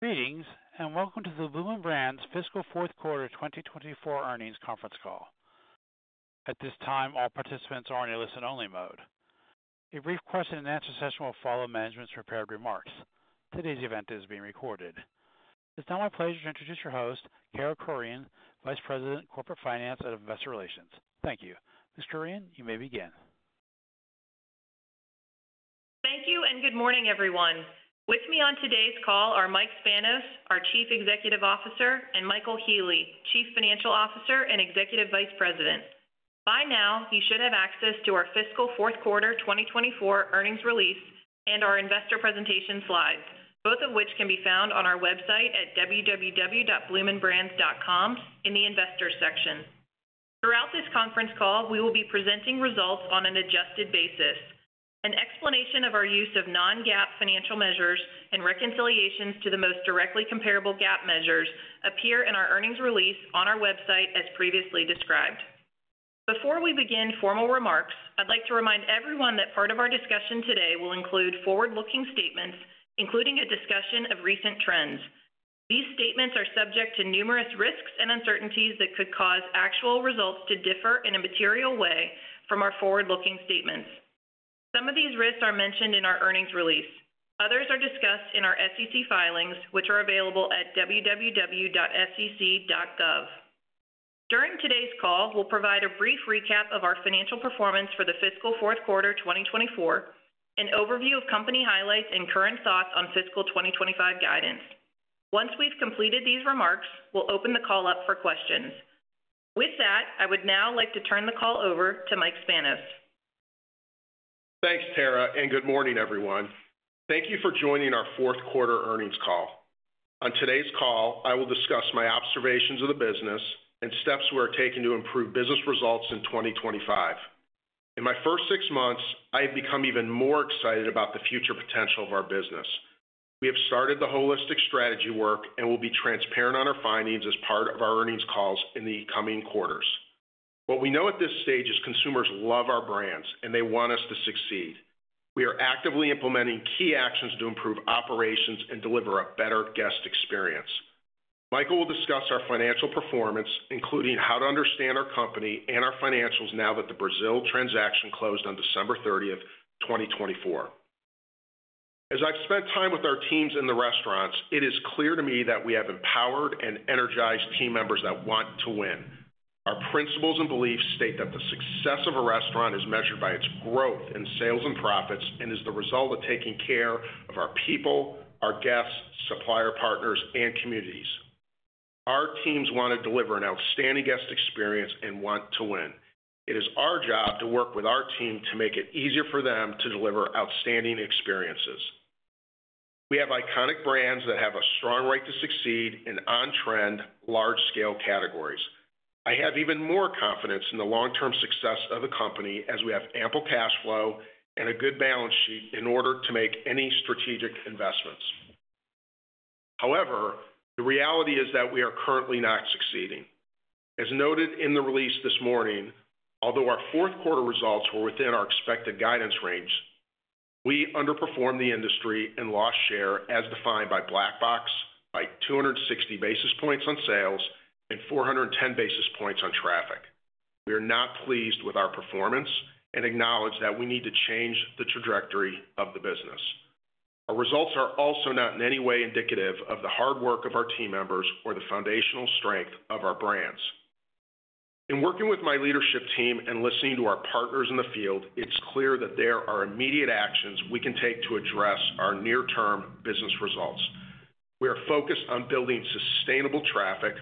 Greetings and welcome to the Bloomin' Brands Third Quarter 2024 earnings conference call. At this time, all participants are in a listen-only mode. A brief question-and-answer session will follow management's prepared remarks. Today's event is being recorded. It's now my pleasure to introduce your host, Tara Kurian, Vice President, Corporate Finance, and Investor Relations. Thank you. Ms. Kurian, you may begin. Thank you and good morning, everyone. With me on today's call are Mike Spanos, our Chief Executive Officer, and Michael Healy, Chief Financial Officer and Executive Vice President. By now, you should have access to our Fiscal Quarter 2024 earnings release and our investor presentation slides, both of which can be found on our website at www.bloominbrands.com in the Investors section. Throughout this conference call, we will be presenting results on an adjusted basis. An explanation of our use of non-GAAP financial measures and reconciliations to the most directly comparable GAAP measures appear in our earnings release on our website as previously described. Before we begin formal remarks, I'd like to remind everyone that part of our discussion today will include forward-looking statements, including a discussion of recent trends. These statements are subject to numerous risks and uncertainties that could cause actual results to differ in a material way from our forward-looking statements. Some of these risks are mentioned in our earnings release. Others are discussed in our SEC filings, which are available at www.sec.gov. During today's call, we'll provide a brief recap of our financial performance for the fiscal quarter 2024, an overview of company highlights, and current thoughts on fiscal 2025 guidance. Once we've completed these remarks, we'll open the call up for questions. With that, I would now like to turn the call over to Mike Spanos. Thanks, Tara, and good morning, everyone. Thank you for joining our fourth quarter earnings call. On today's call, I will discuss my observations of the business and steps we are taking to improve business results in 2025. In my first six months, I have become even more excited about the future potential of our business. We have started the holistic strategy work and will be transparent on our findings as part of our earnings calls in the coming quarters. What we know at this stage is consumers love our brands and they want us to succeed. We are actively implementing key actions to improve operations and deliver a better guest experience. Michael will discuss our financial performance, including how to understand our company and our financials now that the Brazil transaction closed on December 30, 2024. As I've spent time with our teams in the restaurants, it is clear to me that we have empowered and energized team members that want to win. Our principles and beliefs state that the success of a restaurant is measured by its growth in sales and profits and is the result of taking care of our people, our guests, supplier partners, and communities. Our teams want to deliver an outstanding guest experience and want to win. It is our job to work with our team to make it easier for them to deliver outstanding experiences. We have iconic brands that have a strong right to succeed in on-trend, large-scale categories. I have even more confidence in the long-term success of the company as we have ample cash flow and a good balance sheet in order to make any strategic investments. However, the reality is that we are currently not succeeding. As noted in the release this morning, although our fourth quarter results were within our expected guidance range, we underperformed the industry and lost share as defined by Black Box by 260 basis points on sales and 410 basis points on traffic. We are not pleased with our performance and acknowledge that we need to change the trajectory of the business. Our results are also not in any way indicative of the hard work of our team members or the foundational strength of our brands. In working with my leadership team and listening to our partners in the field, it's clear that there are immediate actions we can take to address our near-term business results. We are focused on building sustainable traffic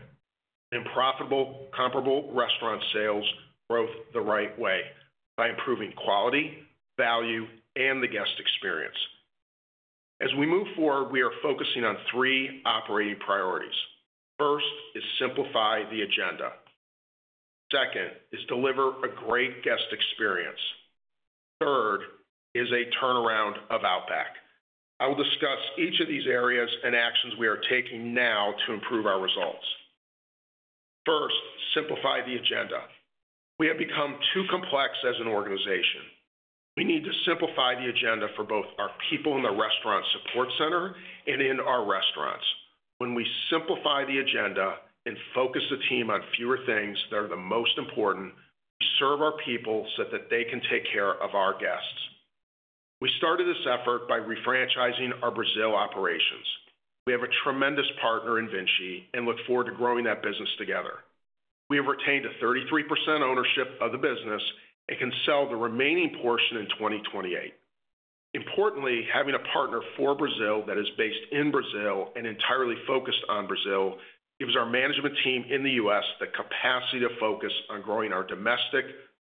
and profitable, comparable restaurant sales growth the right way by improving quality, value, and the guest experience. As we move forward, we are focusing on three operating priorities. First is simplify the agenda. Second is deliver a great guest experience. Third is a turnaround of Outback. I will discuss each of these areas and actions we are taking now to improve our results. First, simplify the agenda. We have become too complex as an organization. We need to simplify the agenda for both our people in the Restaurant Support Center and in our restaurants. When we simplify the agenda and focus the team on fewer things that are the most important, we serve our people so that they can take care of our guests. We started this effort by refranchising our Brazil operations. We have a tremendous partner in Vinci and look forward to growing that business together. We have retained a 33% ownership of the business and can sell the remaining portion in 2028. Importantly, having a partner for Brazil that is based in Brazil and entirely focused on Brazil gives our management team in the U.S. the capacity to focus on growing our domestic,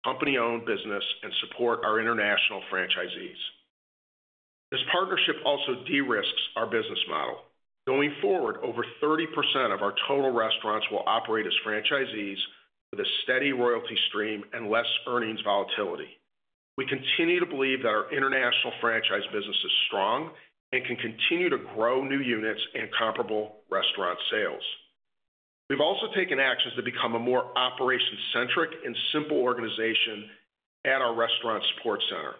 company-owned business and support our international franchisees. This partnership also de-risks our business model. Going forward, over 30% of our total restaurants will operate as franchisees with a steady royalty stream and less earnings volatility. We continue to believe that our international franchise business is strong and can continue to grow new units and comparable restaurant sales. We've also taken actions to become a more operation-centric and simple organization at our Restaurant Support Center.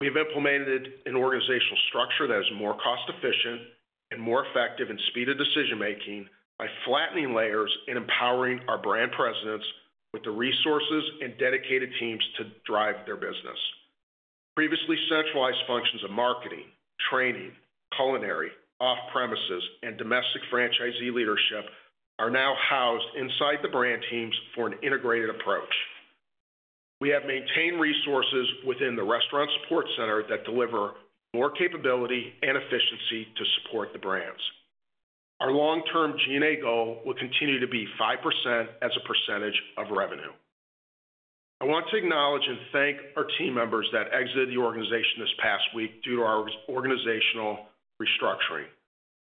We have implemented an organizational structure that is more cost-efficient and more effective in speed of decision-making by flattening layers and empowering our brand presidents with the resources and dedicated teams to drive their business. Previously centralized functions of marketing, training, culinary, off-premises, and domestic franchisee leadership are now housed inside the brand teams for an integrated approach. We have maintained resources within the Restaurant Support Center that deliver more capability and efficiency to support the brands. Our long-term G&A goal will continue to be 5% as a percentage of revenue. I want to acknowledge and thank our team members that exited the organization this past week due to our organizational restructuring.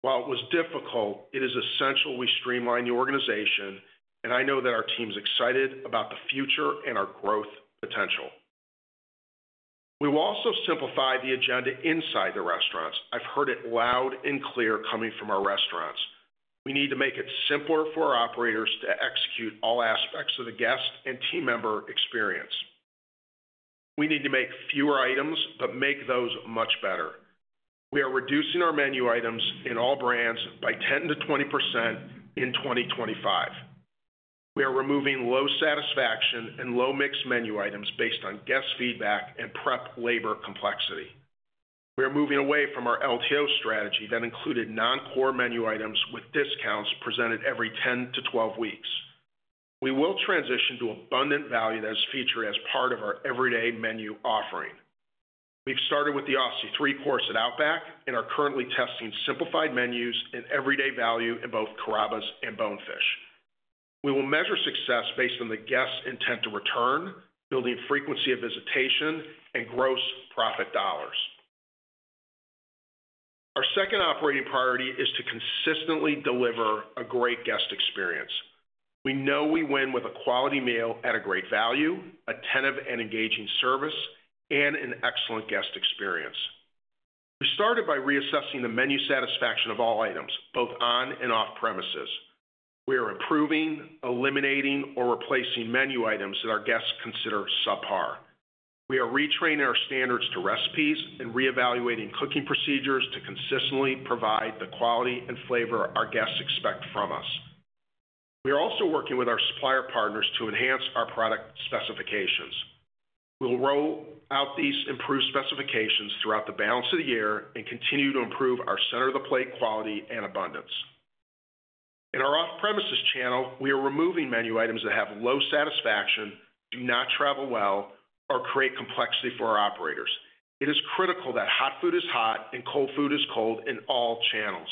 While it was difficult, it is essential we streamline the organization, and I know that our team is excited about the future and our growth potential. We will also simplify the agenda inside the restaurants. I've heard it loud and clear coming from our restaurants. We need to make it simpler for our operators to execute all aspects of the guest and team member experience. We need to make fewer items, but make those much better. We are reducing our menu items in all brands by 10%-20% in 2025. We are removing low satisfaction and low mix menu items based on guest feedback and prep labor complexity. We are moving away from our LTO strategy that included non-core menu items with discounts presented every 10 to 12 weeks. We will transition to abundant value that is featured as part of our everyday menu offering. We've started with the Aussie 3-Course at Outback and are currently testing simplified menus and everyday value in both Carrabba's and Bonefish. We will measure success based on the guest intent to return, building frequency of visitation, and gross profit dollars. Our second operating priority is to consistently deliver a great guest experience. We know we win with a quality meal at a great value, an attentive and engaging service, and an excellent guest experience. We started by reassessing the menu satisfaction of all items, both on and off-premises. We are improving, eliminating, or replacing menu items that our guests consider subpar. We are retraining our standards to recipes and reevaluating cooking procedures to consistently provide the quality and flavor our guests expect from us. We are also working with our supplier partners to enhance our product specifications. We will roll out these improved specifications throughout the balance of the year and continue to improve our center of the plate quality and abundance. In our off-premises channel, we are removing menu items that have low satisfaction, do not travel well, or create complexity for our operators. It is critical that hot food is hot and cold food is cold in all channels.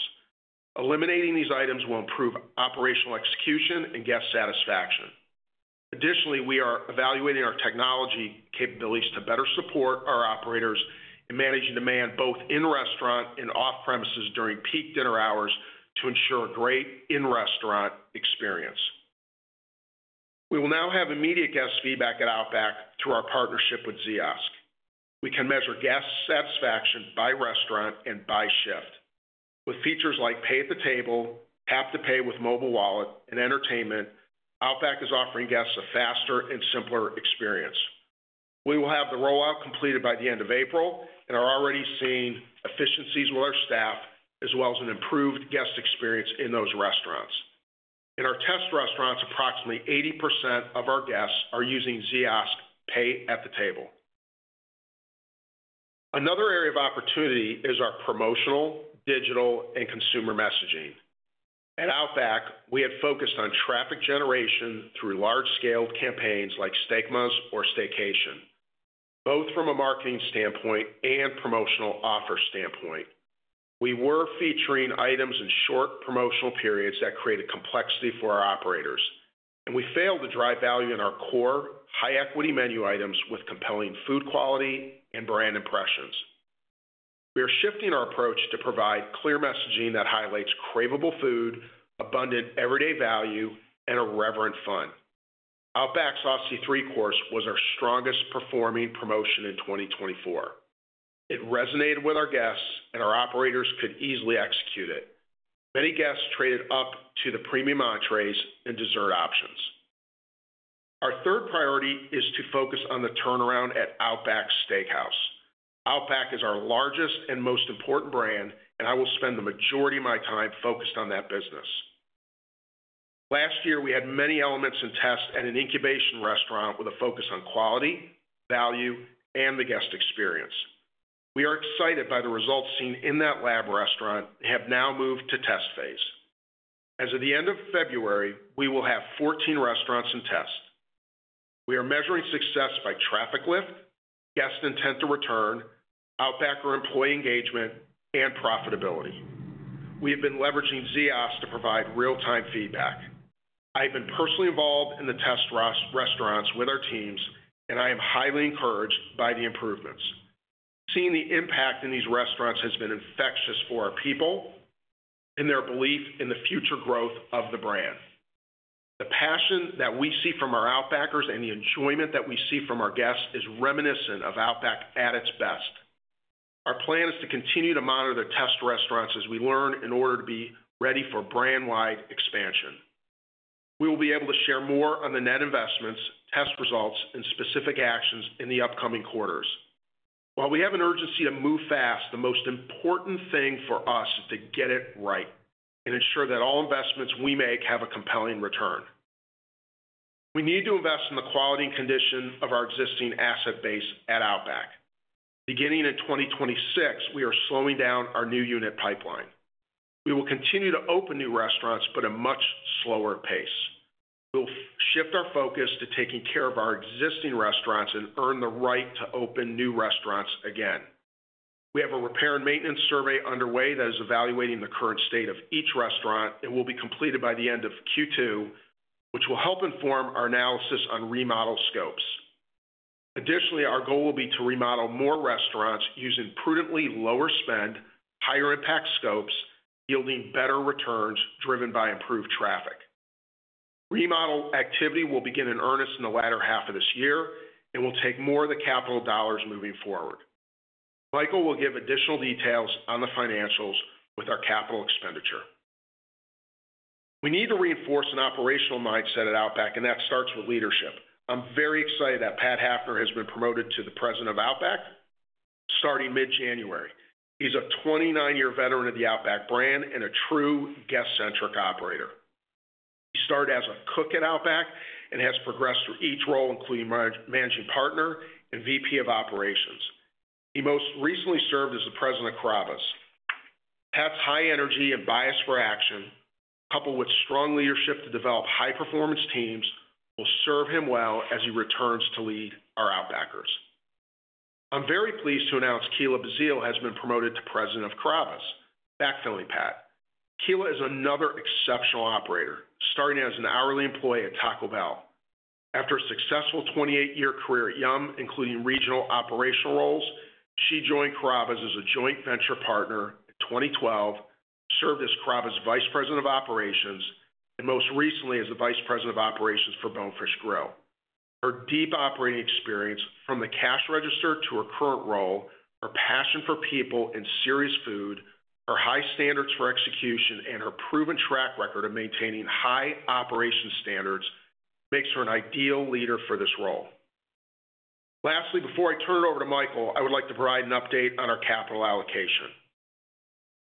Eliminating these items will improve operational execution and guest satisfaction. Additionally, we are evaluating our technology capabilities to better support our operators in managing demand both in restaurant and off-premises during peak dinner hours to ensure a great in-restaurant experience. We will now have immediate guest feedback at Outback through our partnership with Ziosk. We can measure guest satisfaction by restaurant and by shift. With features like pay at the table, tap to pay with mobile wallet, and entertainment, Outback is offering guests a faster and simpler experience. We will have the rollout completed by the end of April and are already seeing efficiencies with our staff as well as an improved guest experience in those restaurants. In our test restaurants, approximately 80% of our guests are using Ziosk pay at the table. Another area of opportunity is our promotional, digital, and consumer messaging. At Outback, we have focused on traffic generation through large-scale campaigns like Steakmas or Steakcation, both from a marketing standpoint and promotional offer standpoint. We were featuring items in short promotional periods that created complexity for our operators, and we failed to drive value in our core high-equity menu items with compelling food quality and brand impressions. We are shifting our approach to provide clear messaging that highlights craveable food, abundant everyday value, and relevant fun. Outback's Aussie 3-Course was our strongest performing promotion in 2024. It resonated with our guests, and our operators could easily execute it. Many guests traded up to the premium entrees and dessert options. Our third priority is to focus on the turnaround at Outback Steakhouse. Outback is our largest and most important brand, and I will spend the majority of my time focused on that business. Last year, we had many elements in test at an incubation restaurant with a focus on quality, value, and the guest experience. We are excited by the results seen in that lab restaurant and have now moved to test phase. As of the end of February, we will have 14 restaurants in test. We are measuring success by traffic lift, guest intent to return, Outbacker employee engagement, and profitability. We have been leveraging Ziosk to provide real-time feedback. I have been personally involved in the test restaurants with our teams, and I am highly encouraged by the improvements. Seeing the impact in these restaurants has been infectious for our people and their belief in the future growth of the brand. The passion that we see from our Outbackers and the enjoyment that we see from our guests is reminiscent of Outback at its best. Our plan is to continue to monitor the test restaurants as we learn in order to be ready for brand-wide expansion. We will be able to share more on the net investments, test results, and specific actions in the upcoming quarters. While we have an urgency to move fast, the most important thing for us is to get it right and ensure that all investments we make have a compelling return. We need to invest in the quality and condition of our existing asset base at Outback. Beginning in 2026, we are slowing down our new unit pipeline. We will continue to open new restaurants, but at a much slower pace. We will shift our focus to taking care of our existing restaurants and earn the right to open new restaurants again. We have a repair and maintenance survey underway that is evaluating the current state of each restaurant and will be completed by the end of Q2, which will help inform our analysis on remodel scopes. Additionally, our goal will be to remodel more restaurants using prudently lower spend, higher impact scopes, yielding better returns driven by improved traffic. Remodel activity will begin in earnest in the latter half of this year and will take more of the capital dollars moving forward. Michael will give additional details on the financials with our capital expenditure. We need to reinforce an operational mindset at Outback, and that starts with leadership. I'm very excited that Pat Hafner has been promoted to the President of Outback starting mid-January. He's a 29-year veteran of the Outback brand and a true guest-centric operator. He started as a cook at Outback and has progressed through each role, including managing partner and VP of operations. He most recently served as the president of Carrabba's. Pat's high energy and bias for action, coupled with strong leadership to develop high-performance teams, will serve him well as he returns to lead our Outbackers. I'm very pleased to announce Kiela Bazile has been promoted to president of Carrabba's. Back to me, Pat. Kiela is another exceptional operator, starting as an hourly employee at Taco Bell. After a successful 28-year career at Yum, including regional operational roles, she joined Carrabba's as a joint venture partner in 2012, served as Carrabba's Vice President of Operations, and most recently as the Vice President of Operations for Bonefish Grill. Her deep operating experience, from the cash register to her current role, her passion for people and serious food, her high standards for execution, and her proven track record of maintaining high operational standards makes her an ideal leader for this role. Lastly, before I turn it over to Michael, I would like to provide an update on our capital allocation.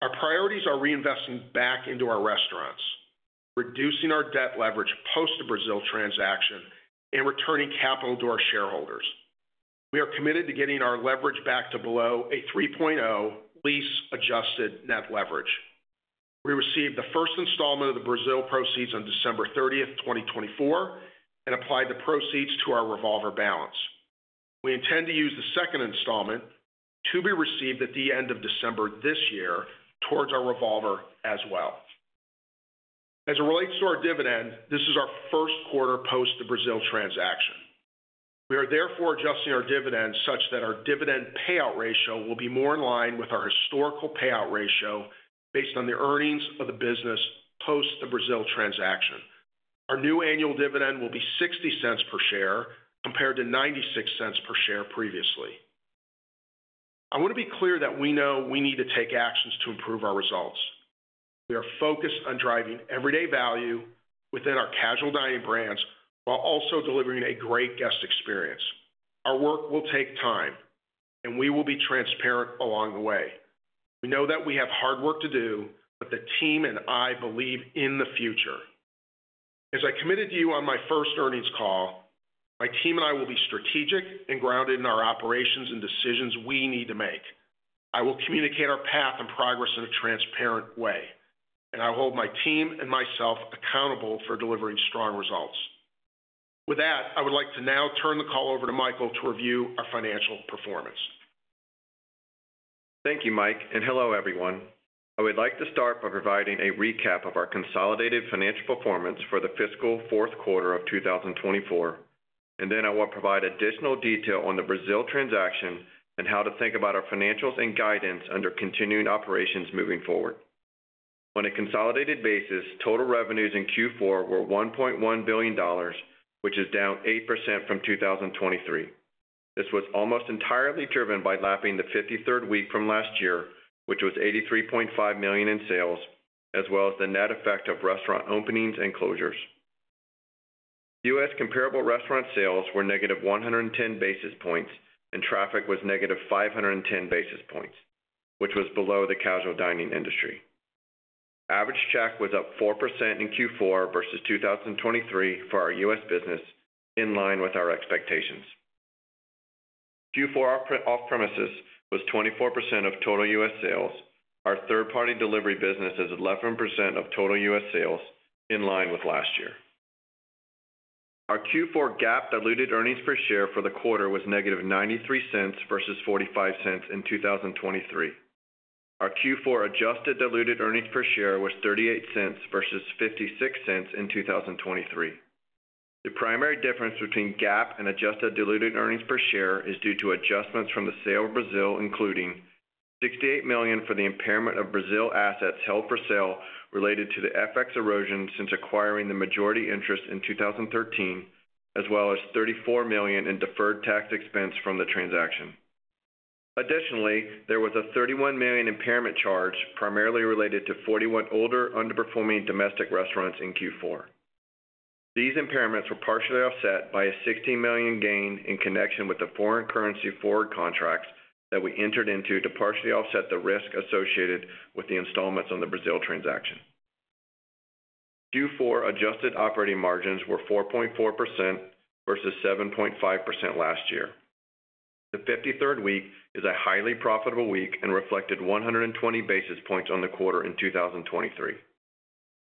Our priorities are reinvesting back into our restaurants, reducing our debt leverage post-Brazil transaction, and returning capital to our shareholders. We are committed to getting our leverage back to below a 3.0 lease-adjusted net leverage. We received the first installment of the Brazil proceeds on December 30th, 2024, and applied the proceeds to our revolver balance. We intend to use the second installment to be received at the end of December this year towards our revolver as well. As it relates to our dividend, this is our first quarter post-Brazil transaction. We are therefore adjusting our dividend such that our dividend payout ratio will be more in line with our historical payout ratio based on the earnings of the business post-Brazil transaction. Our new annual dividend will be $0.60 per share compared to $0.96 per share previously. I want to be clear that we know we need to take actions to improve our results. We are focused on driving everyday value within our casual dining brands while also delivering a great guest experience. Our work will take time, and we will be transparent along the way. We know that we have hard work to do, but the team and I believe in the future. As I committed to you on my first earnings call, my team and I will be strategic and grounded in our operations and decisions we need to make. I will communicate our path and progress in a transparent way, and I will hold my team and myself accountable for delivering strong results. With that, I would like to now turn the call over to Michael to review our financial performance. Thank you, Mike, and hello, everyone. I would like to start by providing a recap of our consolidated financial performance for the fiscal fourth quarter of 2024, and then I will provide additional detail on the Brazil transaction and how to think about our financials and guidance under continuing operations moving forward. On a consolidated basis, total revenues in Q4 were $1.1 billion, which is down 8% from 2023. This was almost entirely driven by lapping the 53rd week from last year, which was $83.5 million in sales, as well as the net effect of restaurant openings and closures. U.S. comparable restaurant sales were negative 110 basis points, and traffic was negative 510 basis points, which was below the casual dining industry. Average check was up 4% in Q4 versus 2023 for our U.S. business, in line with our expectations. Q4 off-premises was 24% of total U.S. sales. Our third-party delivery business is 11% of total U.S. sales, in line with last year. Our Q4 GAAP diluted earnings per share for the quarter was -$0.93 versus $0.45 in 2023. Our Q4 adjusted diluted earnings per share was $0.38 versus $0.56 in 2023. The primary difference between GAAP and adjusted diluted earnings per share is due to adjustments from the sale of Brazil, including $68 million for the impairment of Brazil assets held for sale related to the FX erosion since acquiring the majority interest in 2013, as well as $34 million in deferred tax expense from the transaction. Additionally, there was a $31 million impairment charge primarily related to 41 older underperforming domestic restaurants in Q4. These impairments were partially offset by a $16 million gain in connection with the foreign currency forward contracts that we entered into to partially offset the risk associated with the installments on the Brazil transaction. Q4 adjusted operating margins were 4.4% versus 7.5% last year. The 53rd week is a highly profitable week and reflected 120 basis points on the quarter in 2023.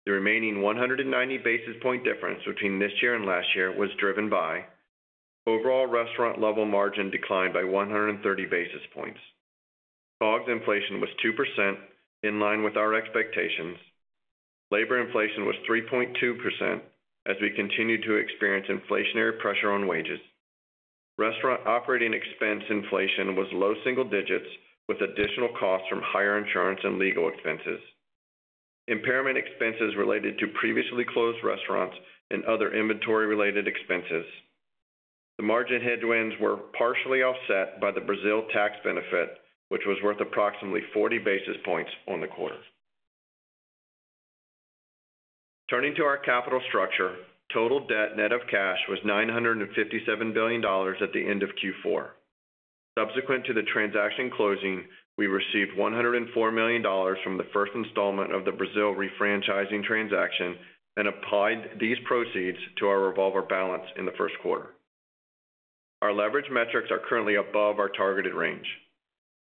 The remaining 190 basis points difference between this year and last year was driven by overall restaurant-level margin declined by 130 basis points. COGS inflation was 2%, in line with our expectations. Labor inflation was 3.2% as we continued to experience inflationary pressure on wages. Restaurant operating expense inflation was low single digits with additional costs from higher insurance and legal expenses. Impairment expenses related to previously closed restaurants and other inventory-related expenses. The margin headwinds were partially offset by the Brazil tax benefit, which was worth approximately 40 basis points on the quarter. Turning to our capital structure, total debt net of cash was $957 million at the end of Q4. Subsequent to the transaction closing, we received $104 million from the first installment of the Brazil refranchising transaction and applied these proceeds to our revolver balance in the first quarter. Our leverage metrics are currently above our targeted range.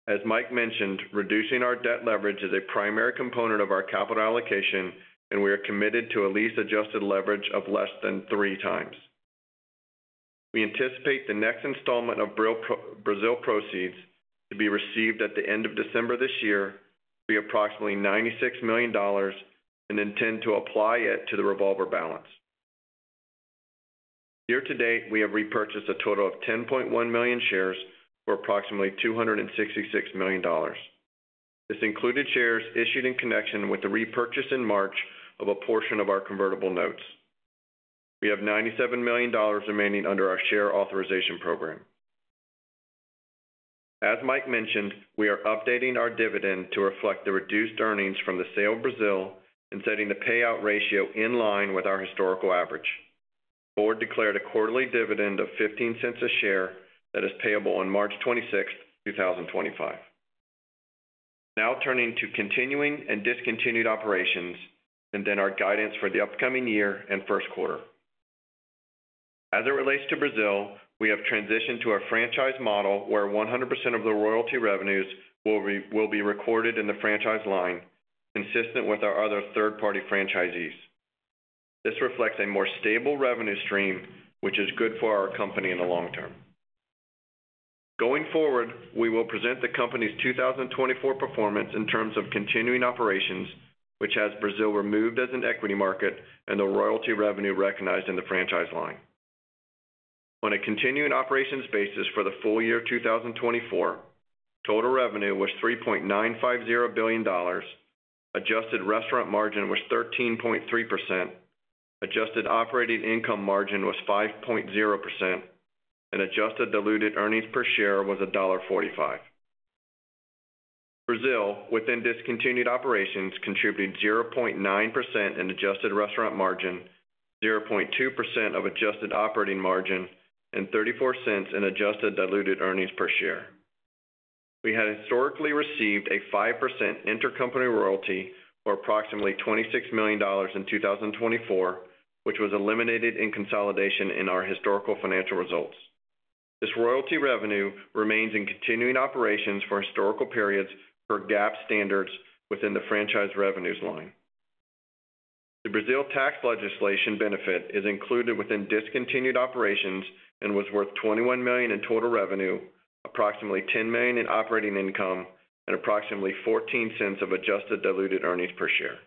As Mike mentioned, reducing our debt leverage is a primary component of our capital allocation, and we are committed to a lease-adjusted leverage of less than three times. We anticipate the next installment of Brazil proceeds to be received at the end of December this year to be approximately $96 million and intend to apply it to the revolver balance. Year to date, we have repurchased a total of 10.1 million shares for approximately $266 million. This included shares issued in connection with the repurchase in March of a portion of our convertible notes. We have $97 million remaining under our share authorization program. As Mike mentioned, we are updating our dividend to reflect the reduced earnings from the sale of Brazil and setting the payout ratio in line with our historical average. The board declared a quarterly dividend of $0.15 a share that is payable on March 26th, 2025. Now turning to continuing and discontinued operations, and then our guidance for the upcoming year and first quarter. As it relates to Brazil, we have transitioned to a franchise model where 100% of the royalty revenues will be recorded in the franchise line, consistent with our other third-party franchisees. This reflects a more stable revenue stream, which is good for our company in the long term. Going forward, we will present the company's 2024 performance in terms of continuing operations, which has Brazil removed as an equity method and the royalty revenue recognized in the franchise line. On a continuing operations basis for the full year 2024, total revenue was $3.950 billion, adjusted restaurant margin was 13.3%, adjusted operating income margin was 5.0%, and adjusted diluted earnings per share was $1.45. Brazil, within discontinued operations, contributed 0.9% in adjusted restaurant margin, 0.2% of adjusted operating margin, and $0.34 in adjusted diluted earnings per share. We had historically received a 5% intercompany royalty for approximately $26 million in 2024, which was eliminated in consolidation in our historical financial results. This royalty revenue remains in continuing operations for historical periods per GAAP standards within the franchise revenues line. The Brazil tax legislation benefit is included within discontinued operations and was worth $21 million in total revenue, approximately $10 million in operating income, and approximately $0.14 of adjusted diluted earnings per share.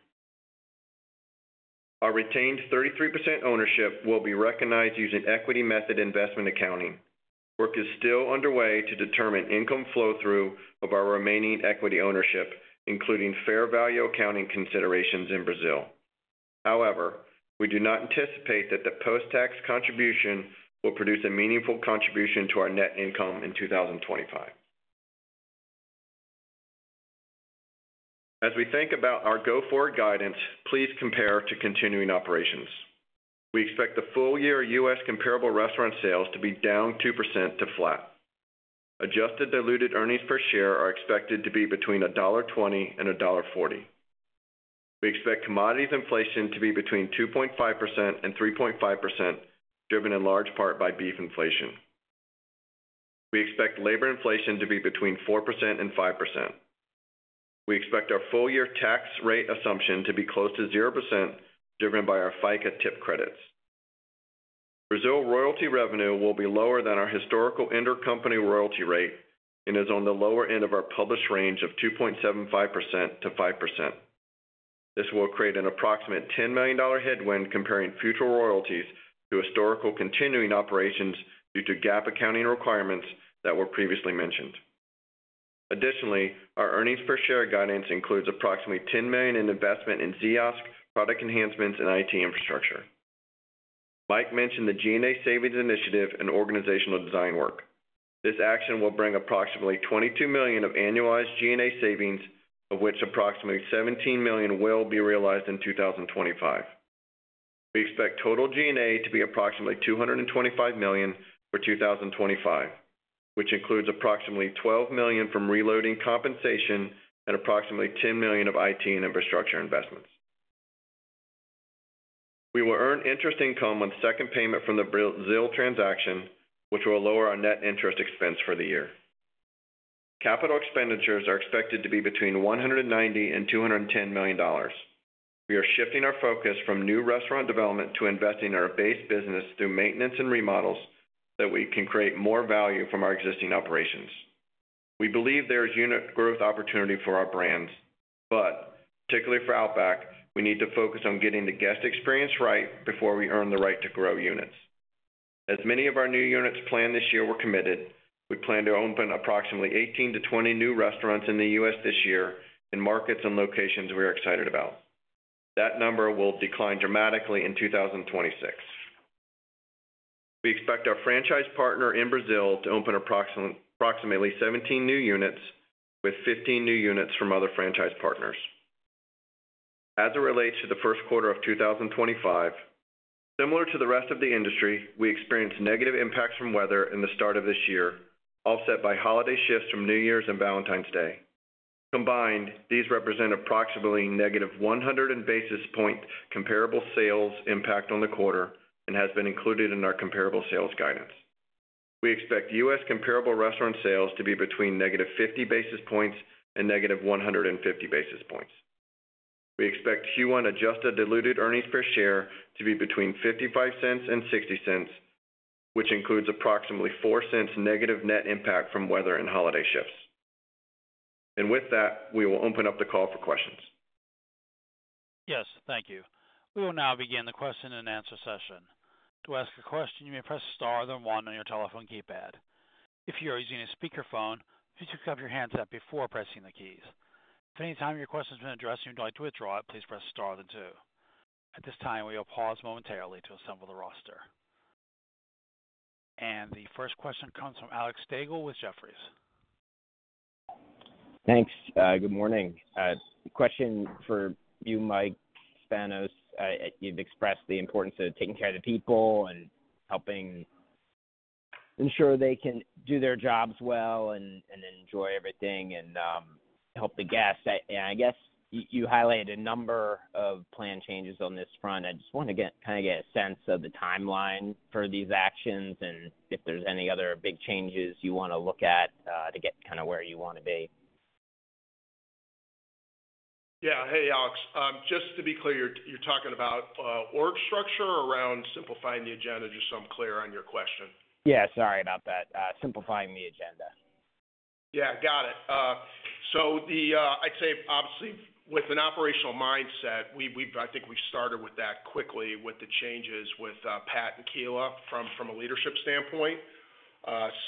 Our retained 33% ownership will be recognized using equity method investment accounting. Work is still underway to determine income flow-through of our remaining equity ownership, including fair value accounting considerations in Brazil. However, we do not anticipate that the post-tax contribution will produce a meaningful contribution to our net income in 2025. As we think about our go-forward guidance, please compare to continuing operations. We expect the full year U.S. comparable restaurant sales to be down 2% to flat. Adjusted diluted earnings per share are expected to be between $1.20 and $1.40. We expect commodities inflation to be between 2.5% and 3.5%, driven in large part by beef inflation. We expect labor inflation to be between 4% and 5%. We expect our full year tax rate assumption to be close to 0%, driven by our FICA tip credits. Brazil royalty revenue will be lower than our historical intercompany royalty rate and is on the lower end of our published range of 2.75% to 5%. This will create an approximate $10 million headwind comparing future royalties to historical continuing operations due to GAAP accounting requirements that were previously mentioned. Additionally, our earnings per share guidance includes approximately $10 million in investment in Ziosk, product enhancements, and IT infrastructure. Mike mentioned the G&A savings initiative and organizational design work. This action will bring approximately $22 million of annualized G&A savings, of which approximately $17 million will be realized in 2025. We expect total G&A to be approximately $225 million for 2025, which includes approximately $12 million from reloading compensation and approximately $10 million of IT and infrastructure investments. We will earn interest income on the second payment from the Brazil transaction, which will lower our net interest expense for the year. Capital expenditures are expected to be between $190 and $210 million. We are shifting our focus from new restaurant development to investing in our base business through maintenance and remodels so that we can create more value from our existing operations. We believe there is unit growth opportunity for our brands, but particularly for Outback, we need to focus on getting the guest experience right before we earn the right to grow units. As many of our new units planned this year were committed, we plan to open approximately 18-20 new restaurants in the U.S. this year in markets and locations we are excited about. That number will decline dramatically in 2026. We expect our franchise partner in Brazil to open approximately 17 new units, with 15 new units from other franchise partners. As it relates to the first quarter of 2025, similar to the rest of the industry, we experienced negative impacts from weather in the start of this year, offset by holiday shifts from New Year's and Valentine's Day. Combined, these represent approximately negative 100 basis point comparable sales impact on the quarter and have been included in our comparable sales guidance. We expect U.S. comparable restaurant sales to be between negative 50 basis points and negative 150 basis points. We expect Q1 adjusted diluted earnings per share to be between $0.55 and $0.60, which includes approximately $0.04 negative net impact from weather and holiday shifts. And with that, we will open up the call for questions. Yes, thank you. We will now begin the question and answer session. To ask a question, you may press star then one on your telephone keypad. If you are using a speakerphone, please hook up your handset before pressing the keys. If at any time your question has been addressed and you would like to withdraw it, please press star then two. At this time, we will pause momentarily to assemble the roster, and the first question comes from Alex Slagle with Jefferies. Thanks. Good morning. Question for you, Mike Spanos. You've expressed the importance of taking care of the people and helping ensure they can do their jobs well and enjoy everything and help the guests. And I guess you highlighted a number of plan changes on this front. I just want to kind of get a sense of the timeline for these actions and if there's any other big changes you want to look at to get kind of where you want to be. Yeah. Hey, Alex. Just to be clear, you're talking about org structure around simplifying the agenda? Just so I'm clear on your question. Yeah. Sorry about that. Simplifying the agenda. Yeah. Got it. So I'd say, obviously, with an operational mindset, I think we started with that quickly with the changes with Pat and Kiela from a leadership standpoint.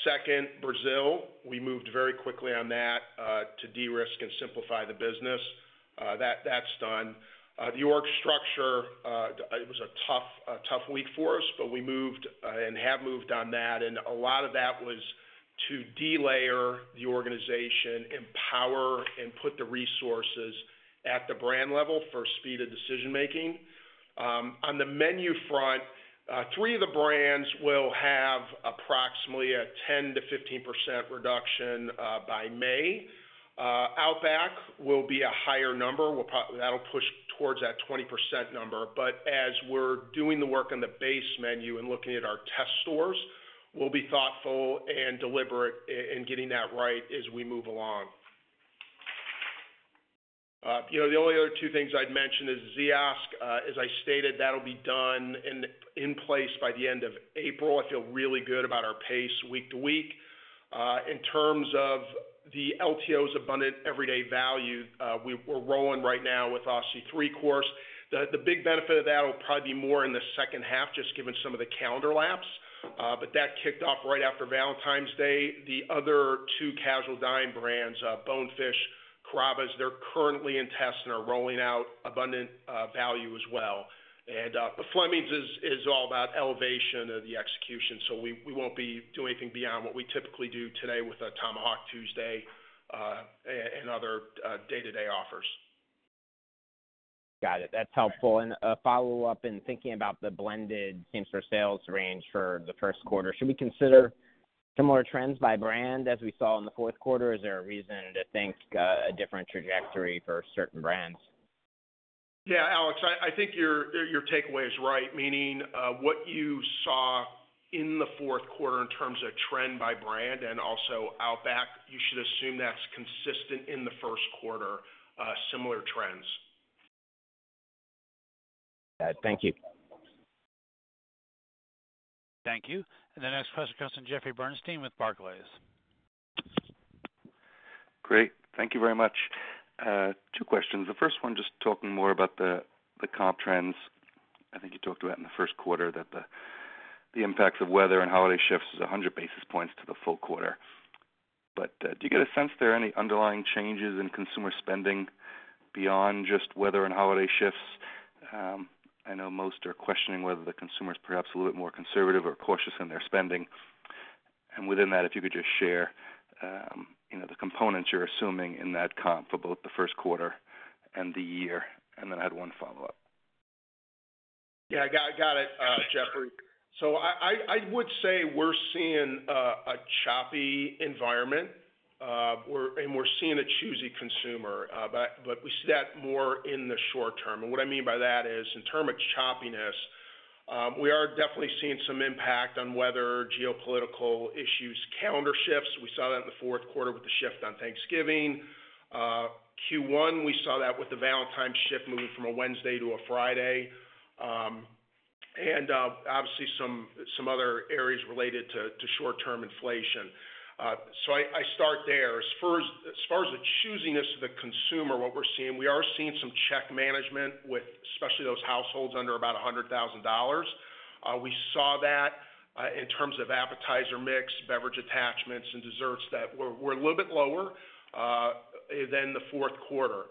Second, Brazil, we moved very quickly on that to de-risk and simplify the business. That's done. The org structure, it was a tough week for us, but we moved and have moved on that. And a lot of that was to de-layer the organization, empower, and put the resources at the brand level for speed of decision-making. On the menu front, three of the brands will have approximately a 10%-15% reduction by May. Outback will be a higher number. That'll push towards that 20% number. But as we're doing the work on the base menu and looking at our test stores, we'll be thoughtful and deliberate in getting that right as we move along. The only other two things I'd mention is Ziosk. As I stated, that'll be done and in place by the end of April. I feel really good about our pace week to week. In terms of the LTOs abundant everyday value, we're rolling right now with Aussie 3-Course. The big benefit of that will probably be more in the second half, just given some of the calendar laps. But that kicked off right after Valentine's Day. The other two casual dining brands, Bonefish, Carrabba's, they're currently in test and are rolling out abundant value as well. And the Fleming's is all about elevation of the execution. So we won't be doing anything beyond what we typically do today with a Tomahawk Tuesday and other day-to-day offers. Got it. That's helpful. And a follow-up in thinking about the blended same-store sales range for the first quarter, should we consider similar trends by brand as we saw in the fourth quarter? Is there a reason to think a different trajectory for certain brands? Yeah, Alex, I think your takeaway is right, meaning what you saw in the fourth quarter in terms of trend by brand and also Outback, you should assume that's consistent in the first quarter, similar trends. Got it. Thank you. Thank you. And the next question comes from Jeffrey Bernstein with Barclays. Great. Thank you very much. Two questions. The first one, just talking more about the comp trends. I think you talked about in the first quarter that the impacts of weather and holiday shifts is 100 basis points to the full quarter. But do you get a sense there are any underlying changes in consumer spending beyond just weather and holiday shifts? I know most are questioning whether the consumer is perhaps a little bit more conservative or cautious in their spending. And within that, if you could just share the components you're assuming in that comp for both the first quarter and the year. And then I had one follow-up. Yeah. Got it, Jeffrey. So I would say we're seeing a choppy environment, and we're seeing a choosy consumer. But we see that more in the short term. And what I mean by that is in terms of choppiness, we are definitely seeing some impact on weather, geopolitical issues, calendar shifts. We saw that in the fourth quarter with the shift on Thanksgiving. Q1, we saw that with the Valentine's shift moving from a Wednesday to a Friday. And obviously, some other areas related to short-term inflation. So I start there. As far as the choosiness of the consumer, what we're seeing, we are seeing some check management with especially those households under about $100,000. We saw that in terms of appetizer mix, beverage attachments, and desserts that were a little bit lower than the fourth quarter.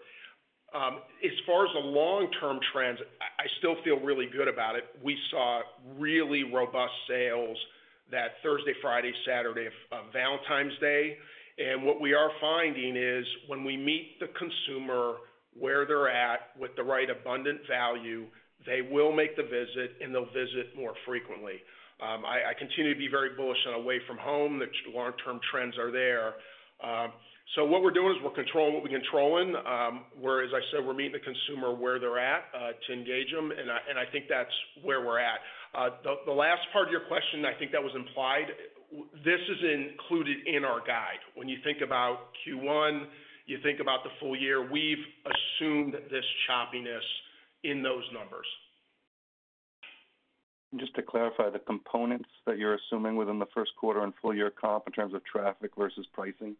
As far as the long-term trends, I still feel really good about it. We saw really robust sales that Thursday, Friday, Saturday of Valentine's Day. And what we are finding is when we meet the consumer where they're at with the right abundant value, they will make the visit, and they'll visit more frequently. I continue to be very bullish on away from home. The long-term trends are there. So what we're doing is we're controlling what we're controlling. Where, as I said, we're meeting the consumer where they're at to engage them. And I think that's where we're at. The last part of your question, I think that was implied. This is included in our guide. When you think about Q1, you think about the full year, we've assumed this choppiness in those numbers. And just to clarify, the components that you're assuming within the first quarter and full year comp in terms of traffic versus pricing?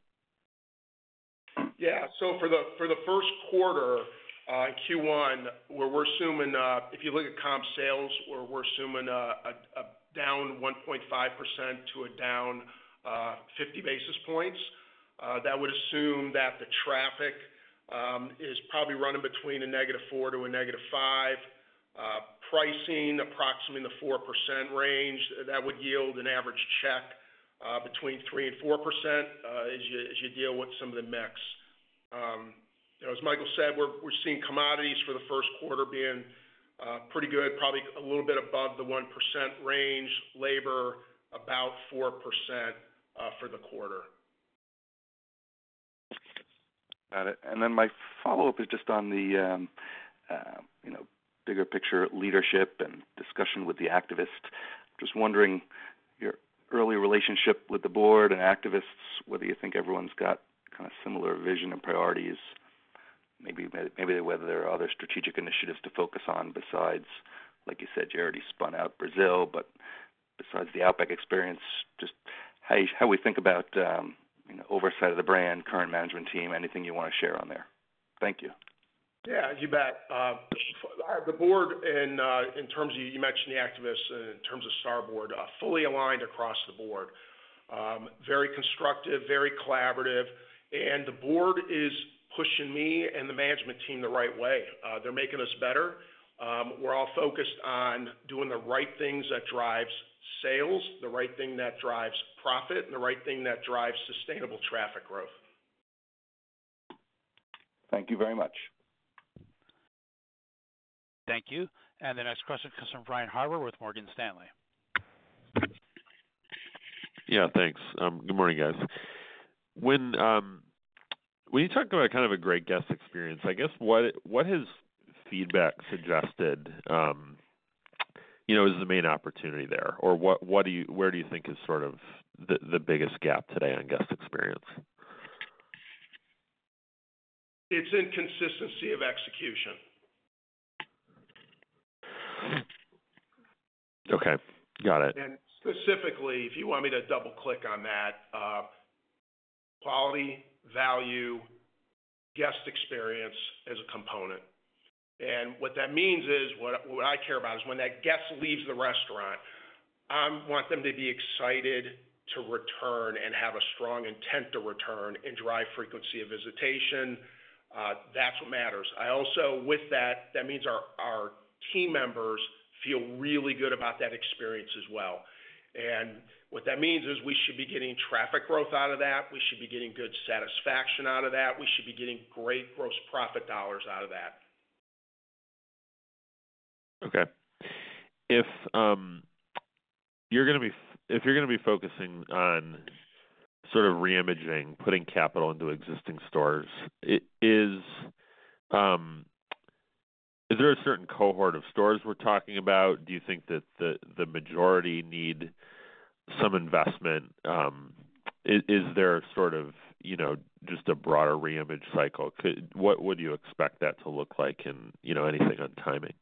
Yeah. So for the first quarter in Q1, where we're assuming if you look at comp sales, where we're assuming a down 1.5% to a down 50 basis points, that would assume that the traffic is probably running between a negative four to a negative five. Pricing approximately in the 4% range. That would yield an average check between 3% and 4% as you deal with some of the mix. As Michael said, we're seeing commodities for the first quarter being pretty good, probably a little bit above the 1% range. Labor, about 4% for the quarter. Got it. And then my follow-up is just on the bigger picture leadership and discussion with the activists. Just wondering your early relationship with the board and activists, whether you think everyone's got kind of similar vision and priorities. Maybe whether there are other strategic initiatives to focus on besides, like you said, you already spun out Brazil, but besides the Outback experience, just how we think about oversight of the brand, current management team, anything you want to share on there. Thank you. Yeah. You bet. The board, in terms of you mentioned the activists and in terms of Starboard, fully aligned across the board. Very constructive, very collaborative. And the board is pushing me and the management team the right way. They're making us better. We're all focused on doing the right things that drive sales, the right thing that drives profit, and the right thing that drives sustainable traffic growth. Thank you very much. Thank you. And the next question comes from Brian Harbour with Morgan Stanley. Yeah. Thanks. Good morning, guys. When you talk about kind of a great guest experience, I guess what has feedback suggested is the main opportunity there? Or where do you think is sort of the biggest gap today on guest experience? It's inconsistency of execution. Okay. Got it. And specifically, if you want me to double-click on that, quality, value, guest experience as a component. What that means is what I care about is when that guest leaves the restaurant, I want them to be excited to return and have a strong intent to return and drive frequency of visitation. That's what matters. Also, with that, that means our team members feel really good about that experience as well, and what that means is we should be getting traffic growth out of that. We should be getting good satisfaction out of that. We should be getting great gross profit dollars out of that. Okay. If you're going to be focusing on sort of reimaging, putting capital into existing stores, is there a certain cohort of stores we're talking about? Do you think that the majority need some investment? Is there sort of just a broader reimage cycle? What would you expect that to look like and anything on timing?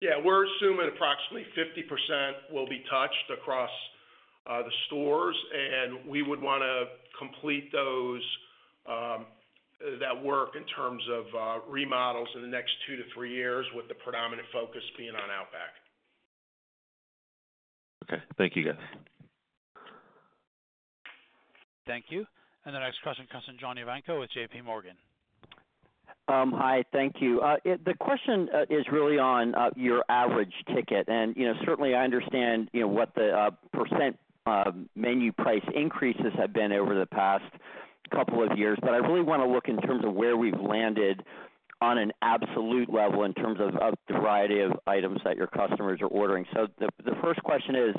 Yeah. We're assuming approximately 50% will be touched across the stores. And we would want to complete that work in terms of remodels in the next two to three years with the predominant focus being on Outback. Okay. Thank you, guys. Thank you. And the next question comes from John Ivankoe with JPMorgan. Hi. Thank you. The question is really on your average ticket. And certainly, I understand what the percent menu price increases have been over the past couple of years. But I really want to look in terms of where we've landed on an absolute level in terms of the variety of items that your customers are ordering. So the first question is,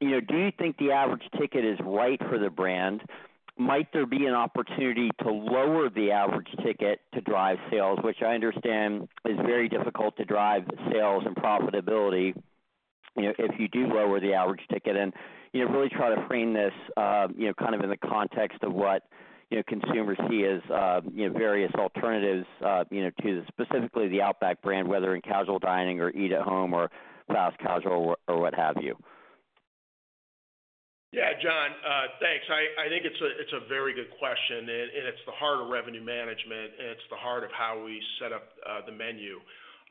do you think the average ticket is right for the brand? Might there be an opportunity to lower the average ticket to drive sales, which I understand is very difficult to drive sales and profitability if you do lower the average ticket, and really try to frame this kind of in the context of what consumers see as various alternatives to specifically the Outback brand, whether in casual dining or eat at home or fast casual or what have you. Yeah, John, thanks. I think it's a very good question, and it's the heart of revenue management. It's the heart of how we set up the menu.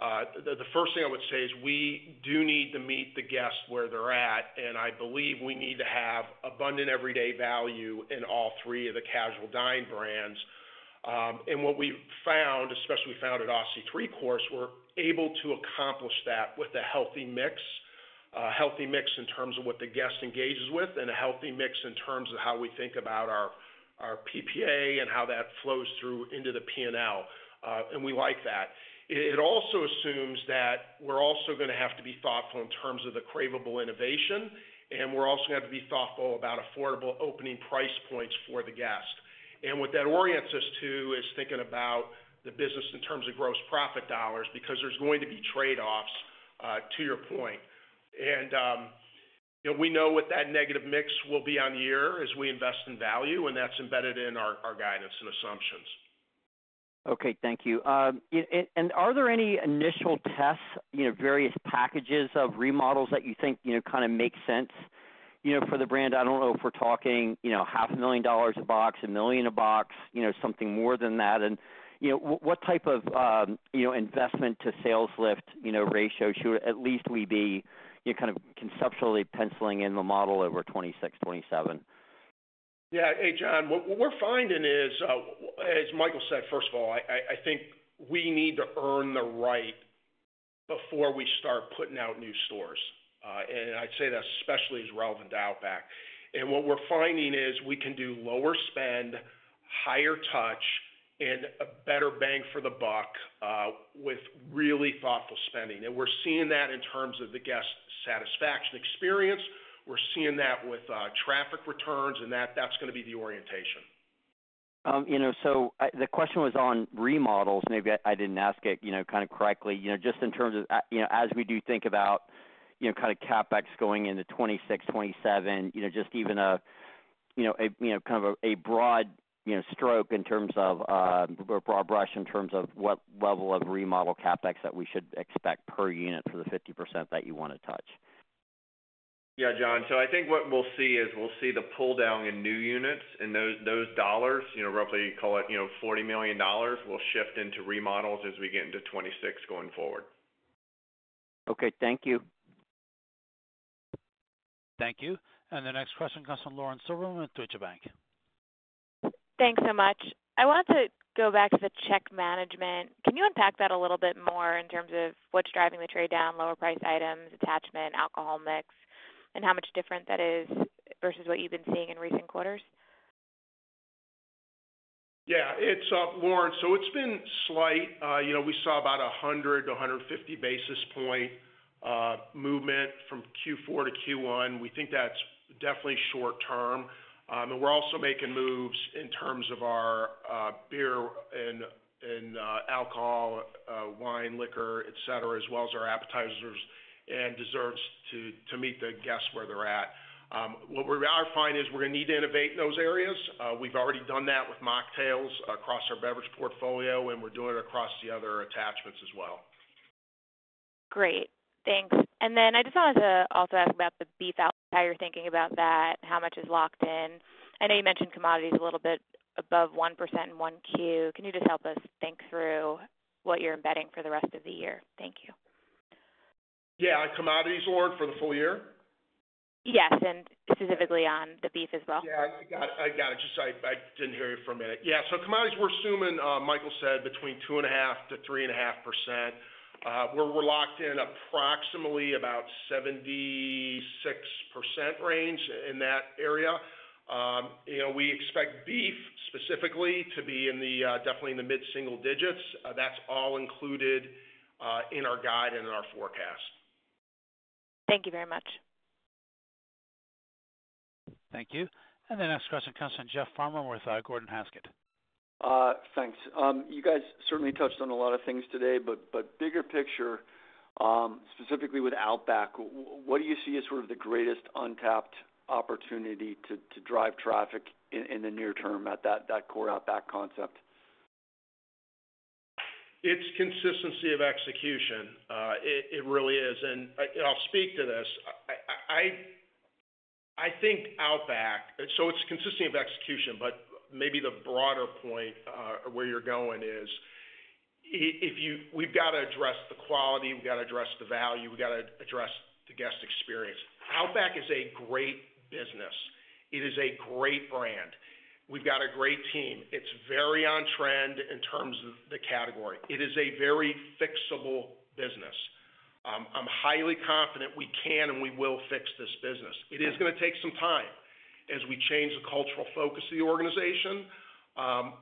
The first thing I would say is we do need to meet the guests where they're at, and I believe we need to have abundant everyday value in all three of the casual dining brands. And what we found, especially we found at Aussie 3-Course, we're able to accomplish that with a healthy mix, a healthy mix in terms of what the guest engages with, and a healthy mix in terms of how we think about our PPA and how that flows through into the P&L. And we like that. It also assumes that we're also going to have to be thoughtful in terms of the craveable innovation. And we're also going to have to be thoughtful about affordable opening price points for the guest. And what that orients us to is thinking about the business in terms of gross profit dollars because there's going to be trade-offs, to your point. And we know what that negative mix will be on the year as we invest in value. And that's embedded in our guidance and assumptions. Okay. Thank you. Are there any initial tests, various packages of remodels that you think kind of make sense for the brand? I don't know if we're talking $500,000 a box, $1 million a box, something more than that. What type of investment to sales lift ratio should at least we be kind of conceptually penciling in the model over 2026, 2027? Yeah. Hey, John, what we're finding is, as Michael said, first of all, I think we need to earn the right before we start putting out new stores. I'd say that especially is relevant to Outback. What we're finding is we can do lower spend, higher touch, and a better bang for the buck with really thoughtful spending. We're seeing that in terms of the guest satisfaction experience. We're seeing that with traffic returns. That's going to be the orientation. So the question was on remodels. Maybe I didn't ask it kind of correctly. Just in terms of as we do think about kind of CapEx going into 2026, 2027, just even a kind of a broad stroke in terms of a broad brush in terms of what level of remodel CapEx that we should expect per unit for the 50% that you want to touch. Yeah, John. So I think what we'll see is we'll see the pull down in new units and those dollars, roughly you call it $40 million, will shift into remodels as we get into 2026 going forward. Okay. Thank you. Thank you. And the next question comes from Lauren Silberman with Deutsche Bank. Thanks so much. I want to go back to the check management. Can you unpack that a little bit more in terms of what's driving the trade down, lower price items, attachment, alcohol mix, and how much different that is versus what you've been seeing in recent quarters? Yeah. Lauren, so it's been slight. We saw about 100-150 basis points movement from Q4 to Q1. We think that's definitely short term. And we're also making moves in terms of our beer and alcohol, wine, liquor, etc., as well as our appetizers and desserts to meet the guests where they're at. What we are finding is we're going to need to innovate in those areas. We've already done that with mocktails across our beverage portfolio, and we're doing it across the other attachments as well. Great. Thanks. And then I just wanted to also ask about the beef outlook. How you're thinking about that, how much is locked in? I know you mentioned commodities a little bit above 1% in 1Q. Can you just help us think through what you're embedding for the rest of the year? Thank you. Yeah. Commodities or for the full year? Yes. And specifically on the beef as well. Yeah. I got it. I got it. Sorry. I didn't hear you for a minute. Yeah. So commodities, we're assuming, Michael said, between 2.5%-3.5%. We're locked in approximately about 76% range in that area. We expect beef specifically to be definitely in the mid-single digits. That's all included in our guide and in our forecast. Thank you very much. Thank you. And the next question comes from Jeff Farmer with Gordon Haskett. Thanks. You guys certainly touched on a lot of things today. But bigger picture, specifically with Outback, what do you see as sort of the greatest untapped opportunity to drive traffic in the near term at that core Outback concept? It's consistency of execution. It really is. And I'll speak to this. I think Outback, so it's consistency of execution. But maybe the broader point where you're going is we've got to address the quality. We've got to address the value. We've got to address the guest experience. Outback is a great business. It is a great brand. We've got a great team. It's very on trend in terms of the category. It is a very fixable business. I'm highly confident we can and we will fix this business. It is going to take some time as we change the cultural focus of the organization.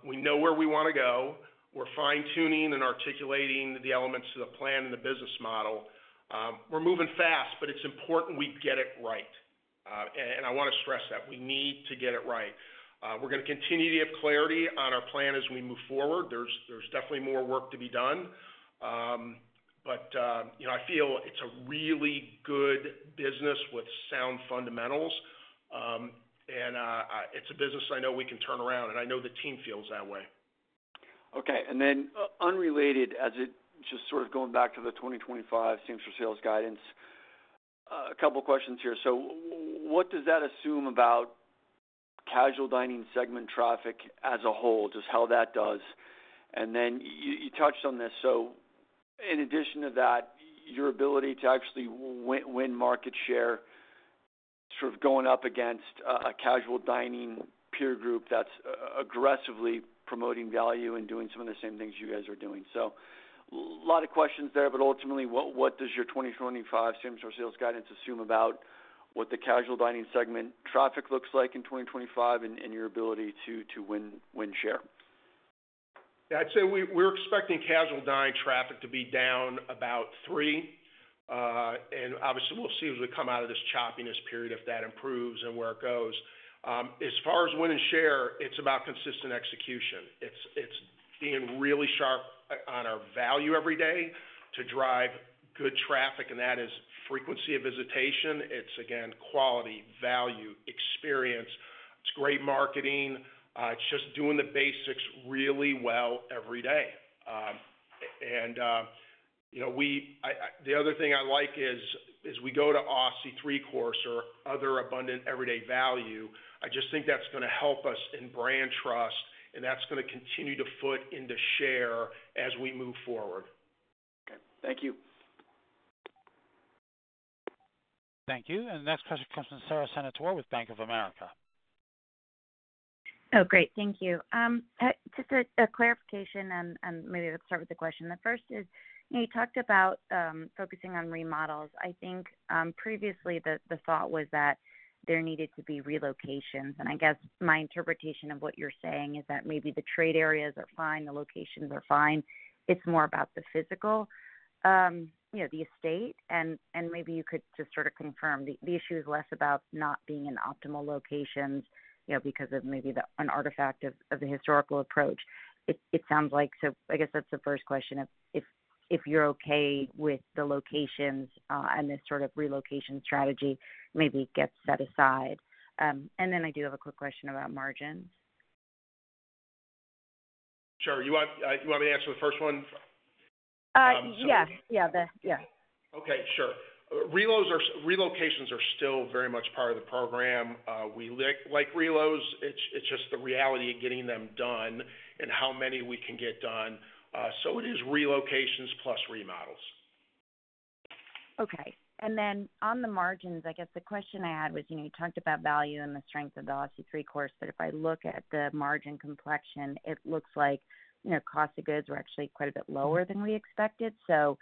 We know where we want to go. We're fine-tuning and articulating the elements of the plan and the business model. We're moving fast, but it's important we get it right. And I want to stress that. We need to get it right. We're going to continue to have clarity on our plan as we move forward. There's definitely more work to be done. But I feel it's a really good business with sound fundamentals. And it's a business I know we can turn around. And I know the team feels that way. Okay. And then unrelated, just sort of going back to the 2025 same-store sales guidance, a couple of questions here. So what does that assume about casual dining segment traffic as a whole, just how that does? And then you touched on this. So in addition to that, your ability to actually win market share sort of going up against a casual dining peer group that's aggressively promoting value and doing some of the same things you guys are doing. So a lot of questions there. But ultimately, what does your 2025 same-store sales guidance assume about what the casual dining segment traffic looks like in 2025 and your ability to win share? Yeah. I'd say we're expecting casual dining traffic to be down about 3%. And obviously, we'll see as we come out of this choppiness period if that improves and where it goes. As far as winning share, it's about consistent execution. It's being really sharp on our value every day to drive good traffic. And that is frequency of visitation. It's, again, quality, value, experience. It's great marketing. It's just doing the basics really well every day. And the other thing I like is we go to Aussie 3-Course or other abundant everyday value. I just think that's going to help us in brand trust. And that's going to continue to flow into share as we move forward. Okay. Thank you. Thank you. And the next question comes from Sara Senatore with Bank of America. Oh, great. Thank you. Just a clarification, and maybe let's start with the question. The first is you talked about focusing on remodels. I think previously the thought was that there needed to be relocations. And I guess my interpretation of what you're saying is that maybe the trade areas are fine. The locations are fine. It's more about the physical, the estate. And maybe you could just sort of confirm. The issue is less about not being in optimal locations because of maybe an artifact of the historical approach. It sounds like, so I guess that's the first question, if you're okay with the locations and this sort of relocation strategy maybe gets set aside. And then I do have a quick question about margins. Sure. You want me to answer the first one? Yes. Yeah. Yeah. Okay. Sure. Relocations are still very much part of the program. We like relos. It's just the reality of getting them done and how many we can get done. So it is relocations plus remodels. Okay. And then on the margins, I guess the question I had was you talked about value and the strength of the Aussie 3-Course. But if I look at the margin complexion, it looks like cost of goods were actually quite a bit lower than we expected. So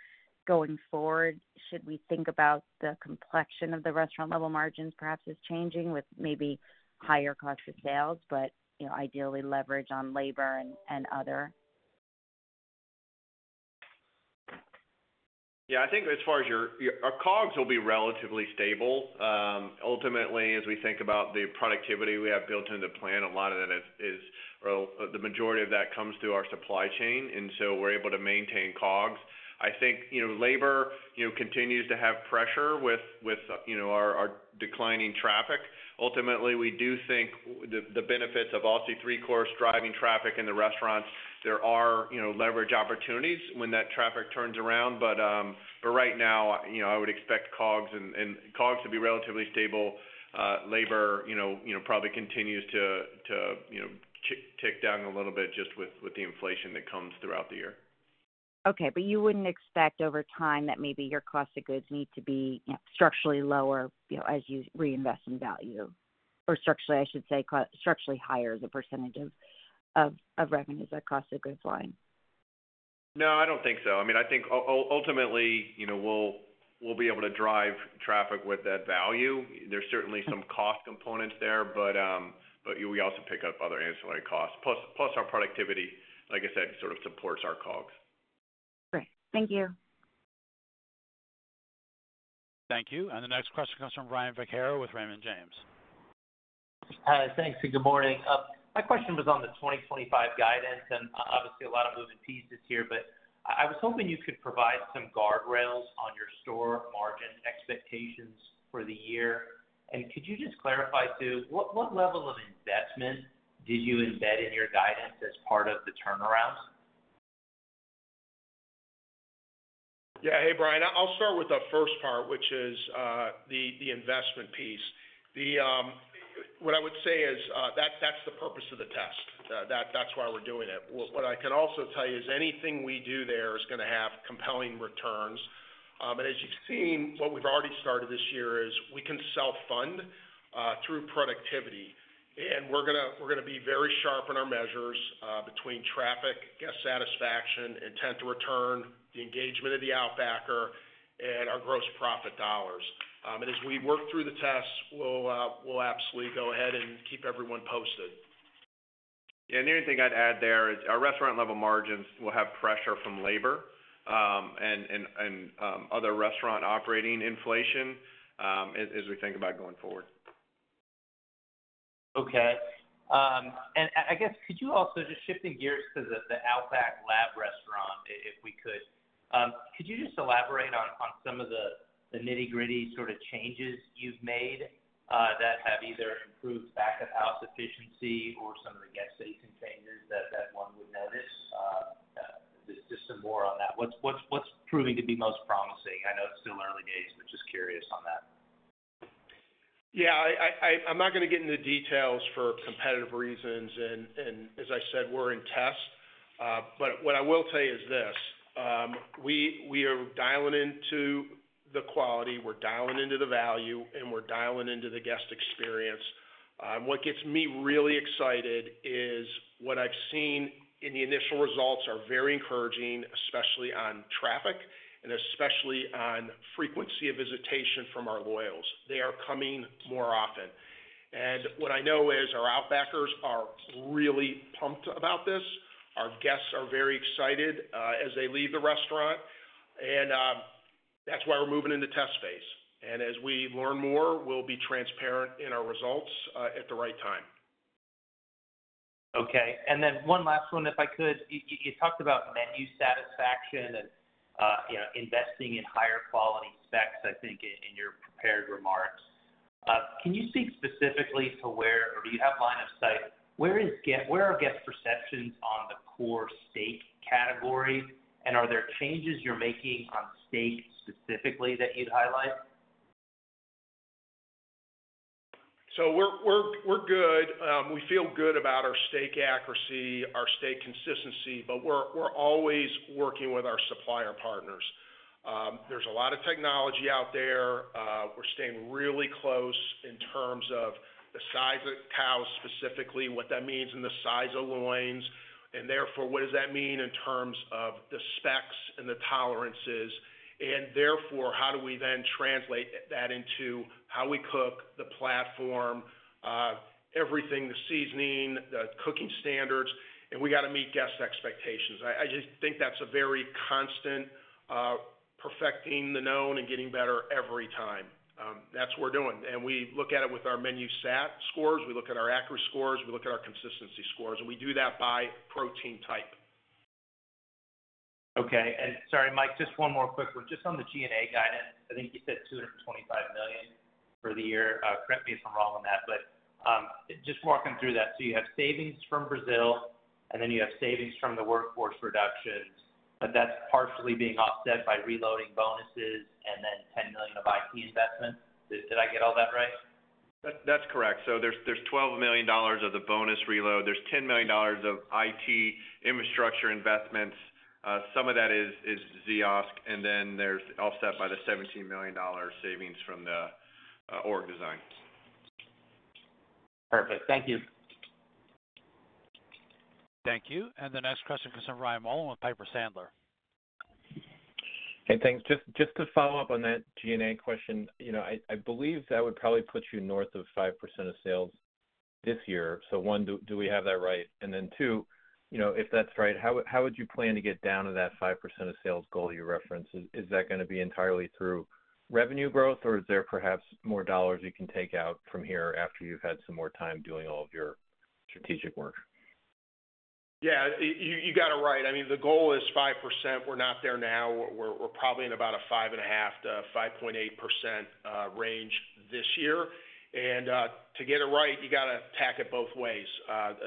going forward, should we think about the complexion of the restaurant-level margins perhaps as changing with maybe higher cost of sales, but ideally leverage on labor and other? Yeah. I think as far as your COGS will be relatively stable. Ultimately, as we think about the productivity we have built into the plan, a lot of that is or the majority of that comes through our supply chain. And so we're able to maintain COGS. I think labor continues to have pressure with our declining traffic. Ultimately, we do think the benefits of Aussie 3-Course driving traffic in the restaurants, there are leverage opportunities when that traffic turns around. But right now, I would expect COGS to be relatively stable. Labor probably continues to tick down a little bit just with the inflation that comes throughout the year. Okay. But you wouldn't expect over time that maybe your cost of goods need to be structurally lower as you reinvest in value or structurally, I should say, structurally higher as a percentage of revenues that cost of goods line? No, I don't think so. I mean, I think ultimately we'll be able to drive traffic with that value. There's certainly some cost components there, but we also pick up other ancillary costs. Plus our productivity, like I said, sort of supports our COGS. Great. Thank you. Thank you. And the next question comes from Brian Vaccaro with Raymond James. Hi. Thanks. Good morning. My question was on the 2025 guidance, and obviously a lot of moving pieces here. But I was hoping you could provide some guardrails on your store margin expectations for the year. And could you just clarify, too, what level of investment did you embed in your guidance as part of the turnarounds? Yeah. Hey, Brian. I'll start with the first part, which is the investment piece. What I would say is that's the purpose of the test. That's why we're doing it. What I can also tell you is anything we do there is going to have compelling returns. And as you've seen, what we've already started this year is we can self-fund through productivity. And we're going to be very sharp in our measures between traffic, guest satisfaction, intent to return, the engagement of the Outbacker, and our gross profit dollars. And as we work through the tests, we'll absolutely go ahead and keep everyone posted. Yeah. The only thing I'd add there is our restaurant-level margins will have pressure from labor and other restaurant operating inflation as we think about going forward. Okay. I guess could you also just shifting gears to the Outback lab restaurant, if we could, could you just elaborate on some of the nitty-gritty sort of changes you've made that have either improved back-of-house efficiency or some of the guest-facing changes that one would notice? Just some more on that. What's proving to be most promising? I know it's still early days, but just curious on that. Yeah. I'm not going to get into details for competitive reasons. As I said, we're in test. But what I will tell you is this: we are dialing into the quality. We're dialing into the value, and we're dialing into the guest experience. What gets me really excited is what I've seen in the initial results are very encouraging, especially on traffic and especially on frequency of visitation from our loyals. They are coming more often. And what I know is our Outbackers are really pumped about this. Our guests are very excited as they leave the restaurant. And that's why we're moving into test phase. And as we learn more, we'll be transparent in our results at the right time. Okay. And then one last one, if I could. You talked about menu satisfaction and investing in higher quality specs, I think, in your prepared remarks. Can you speak specifically to where or do you have line of sight? Where are guest perceptions on the core steak category? And are there changes you're making on steak specifically that you'd highlight? So we're good. We feel good about our steak accuracy, our steak consistency, but we're always working with our supplier partners. There's a lot of technology out there. We're staying really close in terms of the size of cows specifically, what that means in the size of loins. And therefore, what does that mean in terms of the specs and the tolerances? And therefore, how do we then translate that into how we cook the platform, everything, the seasoning, the cooking standards? And we got to meet guest expectations. I just think that's a very constant perfecting the known and getting better every time. That's what we're doing. And we look at it with our menu SAT scores. We look at our accuracy scores. We look at our consistency scores. And we do that by protein type. Okay. And sorry, Mike, just one more quick one. Just on the G&A guidance, I think you said $225 million for the year. Correct me if I'm wrong on that. But just walking through that, so you have savings from Brazil, and then you have savings from the workforce reductions. But that's partially being offset by reloading bonuses and then $10 million of IT investments. Did I get all that right? That's correct. So there's $12 million of the bonus reload. There's $10 million of IT infrastructure investments. Some of that is Ziosk. And then there's offset by the $17 million savings from the org design. Perfect. Thank you. Thank you. And the next question comes from Brian Mullan with Piper Sandler. Hey, thanks. Just to follow up on that G&A question, I believe that would probably put you north of 5% of sales this year. So one, do we have that right? And then two, if that's right, how would you plan to get down to that 5% of sales goal you referenced? Is that going to be entirely through revenue growth, or is there perhaps more dollars you can take out from here after you've had some more time doing all of your strategic work? Yeah. You got it right. I mean, the goal is 5%. We're not there now. We're probably in about a 5.5%-5.8% range this year. And to get there, you got to attack it both ways.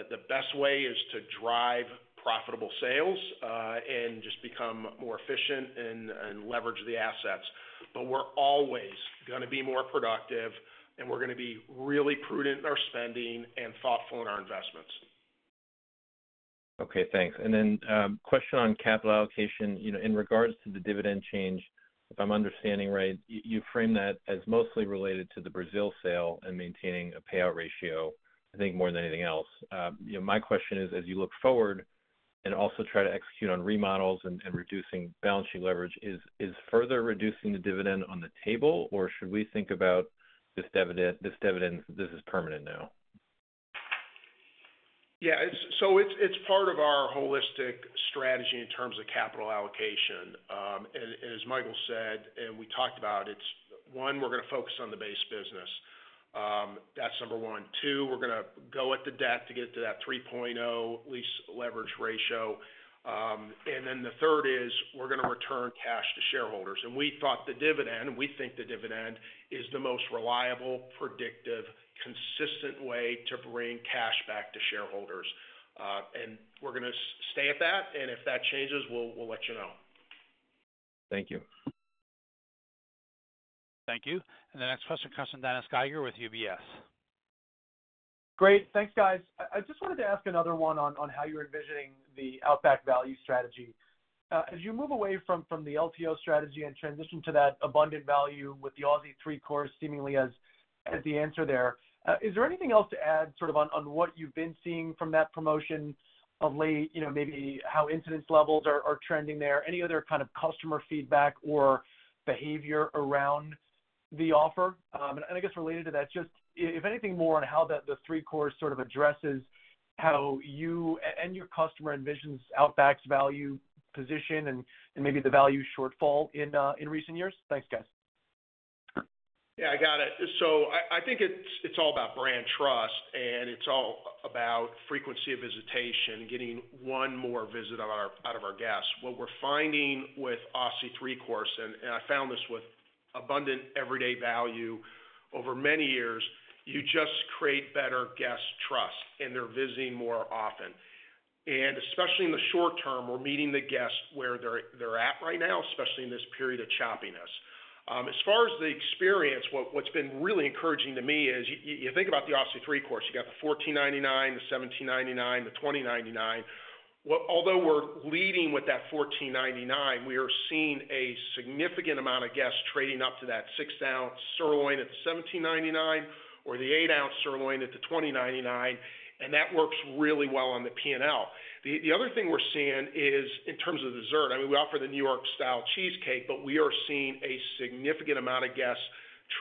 The best way is to drive profitable sales and just become more efficient and leverage the assets. But we're always going to be more productive, and we're going to be really prudent in our spending and thoughtful in our investments. Okay. Thanks. And then a question on capital allocation in regards to the dividend change. If I'm understanding right, you frame that as mostly related to the Brazil sale and maintaining a payout ratio, I think more than anything else. My question is, as you look forward and also try to execute on remodels and reducing balance sheet leverage, is further reducing the dividend on the table, or should we think about this dividend? This is permanent now. Yeah. So it's part of our holistic strategy in terms of capital allocation. And as Michael said, and we talked about it, it's one, we're going to focus on the base business. That's number one. Two, we're going to go at the debt to get to that 3.0 lease-adjusted net leverage ratio. And then the third is we're going to return cash to shareholders. And we thought the dividend, we think the dividend is the most reliable, predictive, consistent way to bring cash back to shareholders. And we're going to stay at that. And if that changes, we'll let you know. Thank you. Thank you. And the next question comes from Dennis Geiger with UBS. Great. Thanks, guys. I just wanted to ask another one on how you're envisioning the Outback value strategy. As you move away from the LTO strategy and transition to that abundant value with the Aussie 3-Course seemingly as the answer there, is there anything else to add sort of on what you've been seeing from that promotion of late, maybe how incidence levels are trending there, any other kind of customer feedback or behavior around the offer? And I guess related to that, just if anything more on how the 3-Course sort of addresses how you and your customer envisions Outback's value position and maybe the value shortfall in recent years. Thanks, guys. Yeah. I got it. So I think it's all about brand trust, and it's all about frequency of visitation and getting one more visit out of our guests. What we're finding with the Aussie 3-Course, and I found this with abundant everyday value over many years, you just create better guest trust, and they're visiting more often. And especially in the short term, we're meeting the guests where they're at right now, especially in this period of choppiness. As far as the experience, what's been really encouraging to me is you think about the Aussie 3-Course. You got the $14.99, the $17.99, the $20.99. Although we're leading with that $14.99, we are seeing a significant amount of guests trading up to that 6-ounce sirloin at the $17.99 or the 8-ounce sirloin at the $20.99. And that works really well on the P&L. The other thing we're seeing is in terms of dessert. I mean, we offer the New York-style cheesecake, but we are seeing a significant amount of guests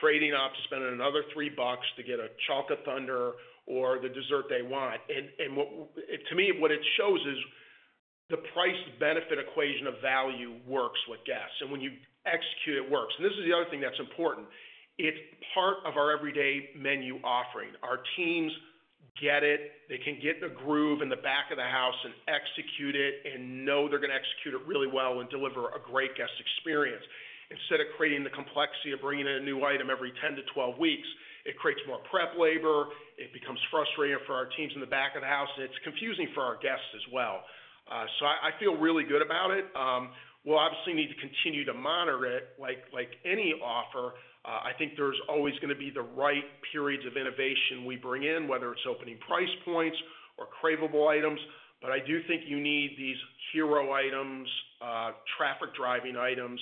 trading up to spend another three bucks to get a Chocolate Thunder or the dessert they want. And to me, what it shows is the price-benefit equation of value works with guests. And when you execute, it works. And this is the other thing that's important. It's part of our everyday menu offering. Our teams get it. They can get the groove in the back of the house and execute it and know they're going to execute it really well and deliver a great guest experience. Instead of creating the complexity of bringing in a new item every 10-12 weeks, it creates more prep labor. It becomes frustrating for our teams in the back of the house, and it's confusing for our guests as well, so I feel really good about it. We'll obviously need to continue to monitor it like any offer. I think there's always going to be the right periods of innovation we bring in, whether it's opening price points or craveable items, but I do think you need these hero items, traffic-driving items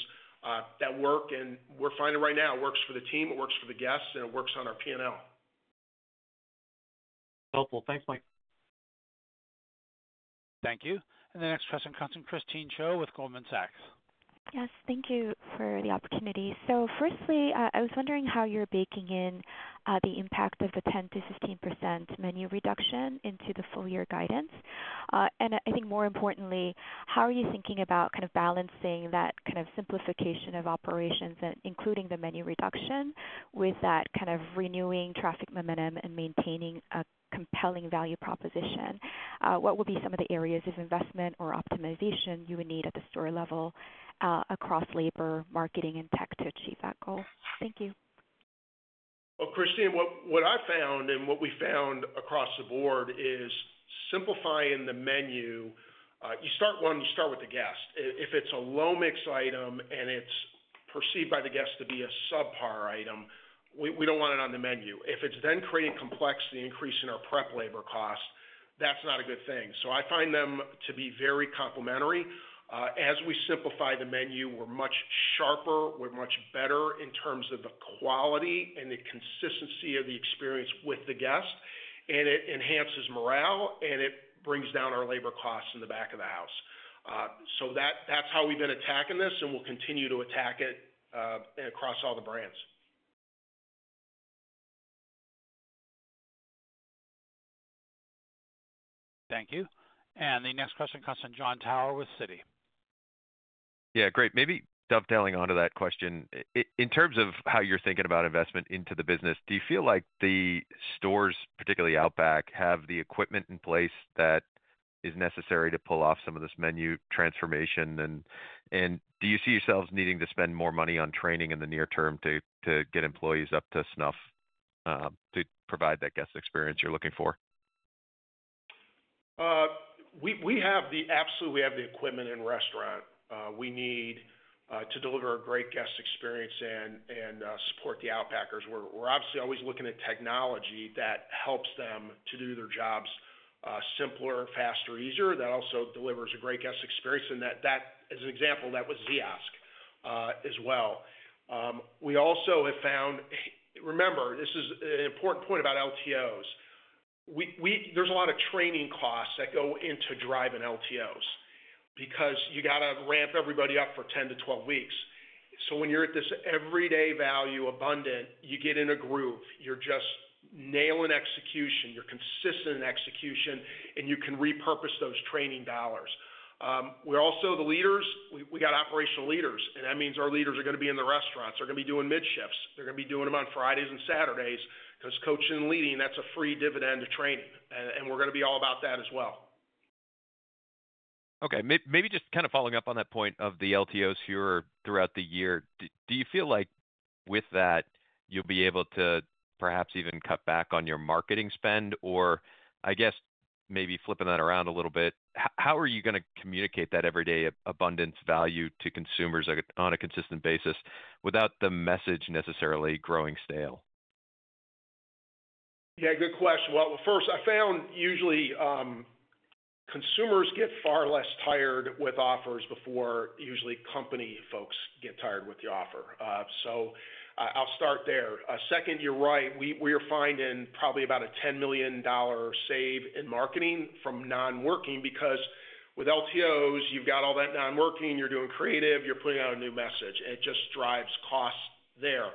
that work and we're finding right now it works for the team. It works for the guests, and it works on our P&L. Helpful. Thanks, Mike. Thank you. The next question comes from Christine Cho with Goldman Sachs. Yes. Thank you for the opportunity. Firstly, I was wondering how you're baking in the impact of the 10%-15% menu reduction into the full year guidance. And I think more importantly, how are you thinking about kind of balancing that kind of simplification of operations, including the menu reduction, with that kind of renewing traffic momentum and maintaining a compelling value proposition? What will be some of the areas of investment or optimization you would need at the store level across labor, marketing, and tech to achieve that goal? Thank you. Christine, what I found and what we found across the board is simplifying the menu. You start with the guest. If it's a low mix item and it's perceived by the guest to be a subpar item, we don't want it on the menu. If it's then creating complexity, increasing our prep labor cost, that's not a good thing. So I find them to be very complementary. As we simplify the menu, we're much sharper. We're much better in terms of the quality and the consistency of the experience with the guest. And it enhances morale, and it brings down our labor costs in the back of the house. So that's how we've been attacking this, and we'll continue to attack it across all the brands. Thank you, and the next question comes from Jon Tower with Citi. Yeah. Great. Maybe dovetailing onto that question. In terms of how you're thinking about investment into the business, do you feel like the stores, particularly Outback, have the equipment in place that is necessary to pull off some of this menu transformation? And do you see yourselves needing to spend more money on training in the near term to get employees up to snuff to provide that guest experience you're looking for? We have the equipment in restaurant. We need to deliver a great guest experience and support the Outbackers. We're obviously always looking at technology that helps them to do their jobs simpler, faster, easier, that also delivers a great guest experience. And as an example, that was Ziosk as well. We also have found, remember, this is an important point about LTOs. There's a lot of training costs that go into driving LTOs because you got to ramp everybody up for 10 to 12 weeks. So when you're at this everyday value abundant, you get in a groove. You're just nailing execution. You're consistent in execution, and you can repurpose those training dollars. We're also the leaders. We got operational leaders. And that means our leaders are going to be in the restaurants. They're going to be doing mid-shifts. They're going to be doing them on Fridays and Saturdays because coaching and leading, that's a free dividend of training. And we're going to be all about that as well. Okay. Maybe just kind of following up on that point of the LTOs here throughout the year, do you feel like with that, you'll be able to perhaps even cut back on your marketing spend? Or I guess maybe flipping that around a little bit, how are you going to communicate that everyday abundance value to consumers on a consistent basis without the message necessarily growing stale? Yeah. Good question. Well, first, I found usually consumers get far less tired with offers before usually company folks get tired with the offer. So I'll start there. Second, you're right. We are finding probably about a $10 million save in marketing from non-working because with LTOs, you've got all that non-working. You're doing creative. You're putting out a new message. It just drives costs there.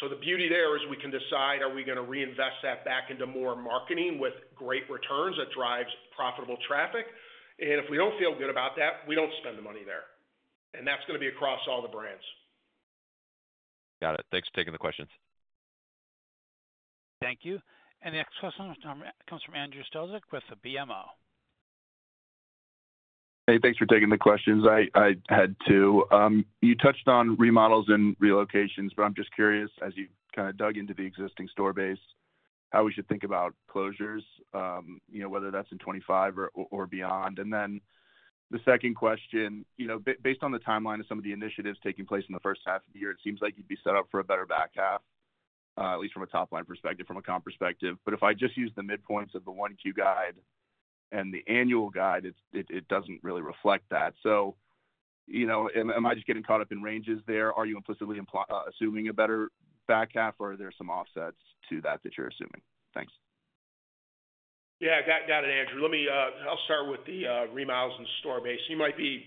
So the beauty there is we can decide, are we going to reinvest that back into more marketing with great returns that drives profitable traffic? And if we don't feel good about that, we don't spend the money there. And that's going to be across all the brands. Got it. Thanks for taking the questions. Thank you. And the next question comes from Andrew Strelzik with BMO. Hey, thanks for taking the questions. I had two. You touched on remodels and relocations, but I'm just curious, as you've kind of dug into the existing store base, how we should think about closures, whether that's in 2025 or beyond. And then the second question, based on the timeline of some of the initiatives taking place in the first half of the year, it seems like you'd be set up for a better back half, at least from a top-line perspective, from a comp perspective. But if I just use the midpoints of the 1Q guide and the annual guide, it doesn't really reflect that. So am I just getting caught up in ranges there? Are you implicitly assuming a better back half, or are there some offsets to that that you're assuming? Thanks. Yeah. Got it, Andrew. I'll start with the remodels in the store base. You might be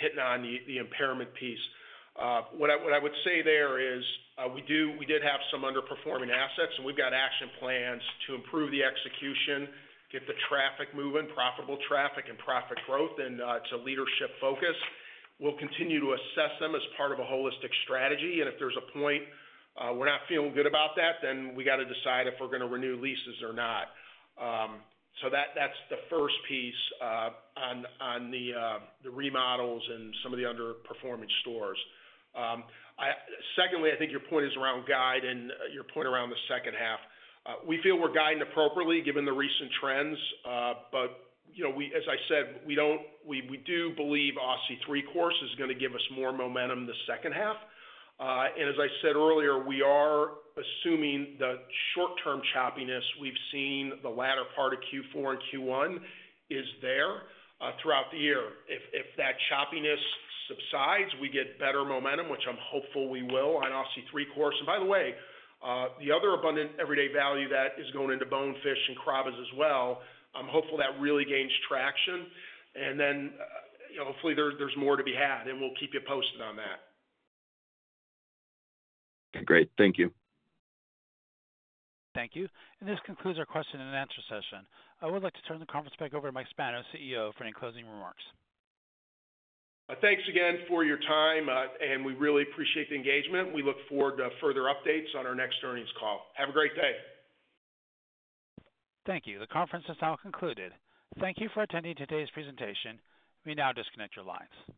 hitting on the impairment piece. What I would say there is we did have some underperforming assets, and we've got action plans to improve the execution, get the traffic moving, profitable traffic, and profit growth, and it's a leadership focus. We'll continue to assess them as part of a holistic strategy, and if there's a point we're not feeling good about that, then we got to decide if we're going to renew leases or not. So that's the first piece on the remodels and some of the underperforming stores. Secondly, I think your point is around guide and your point around the second half. We feel we're guiding appropriately given the recent trends. But as I said, we do believe Aussie 3-Course is going to give us more momentum the second half. And as I said earlier, we are assuming the short-term choppiness we've seen the latter part of Q4 and Q1 is there throughout the year. If that choppiness subsides, we get better momentum, which I'm hopeful we will on Aussie 3-Course. And by the way, the other abundant everyday value that is going into Bonefish and Carrabba's as well, I'm hopeful that really gains traction. And then hopefully there's more to be had, and we'll keep you posted on that. Okay. Great. Thank you. Thank you. And this concludes our question and answer session. I would like to turn the conference back over to Mike Spanos, CEO, for any closing remarks. Thanks again for your time, and we really appreciate the engagement. We look forward to further updates on our next earnings call. Have a great day. Thank you. The conference is now concluded. Thank you for attending today's presentation. We now disconnect your lines.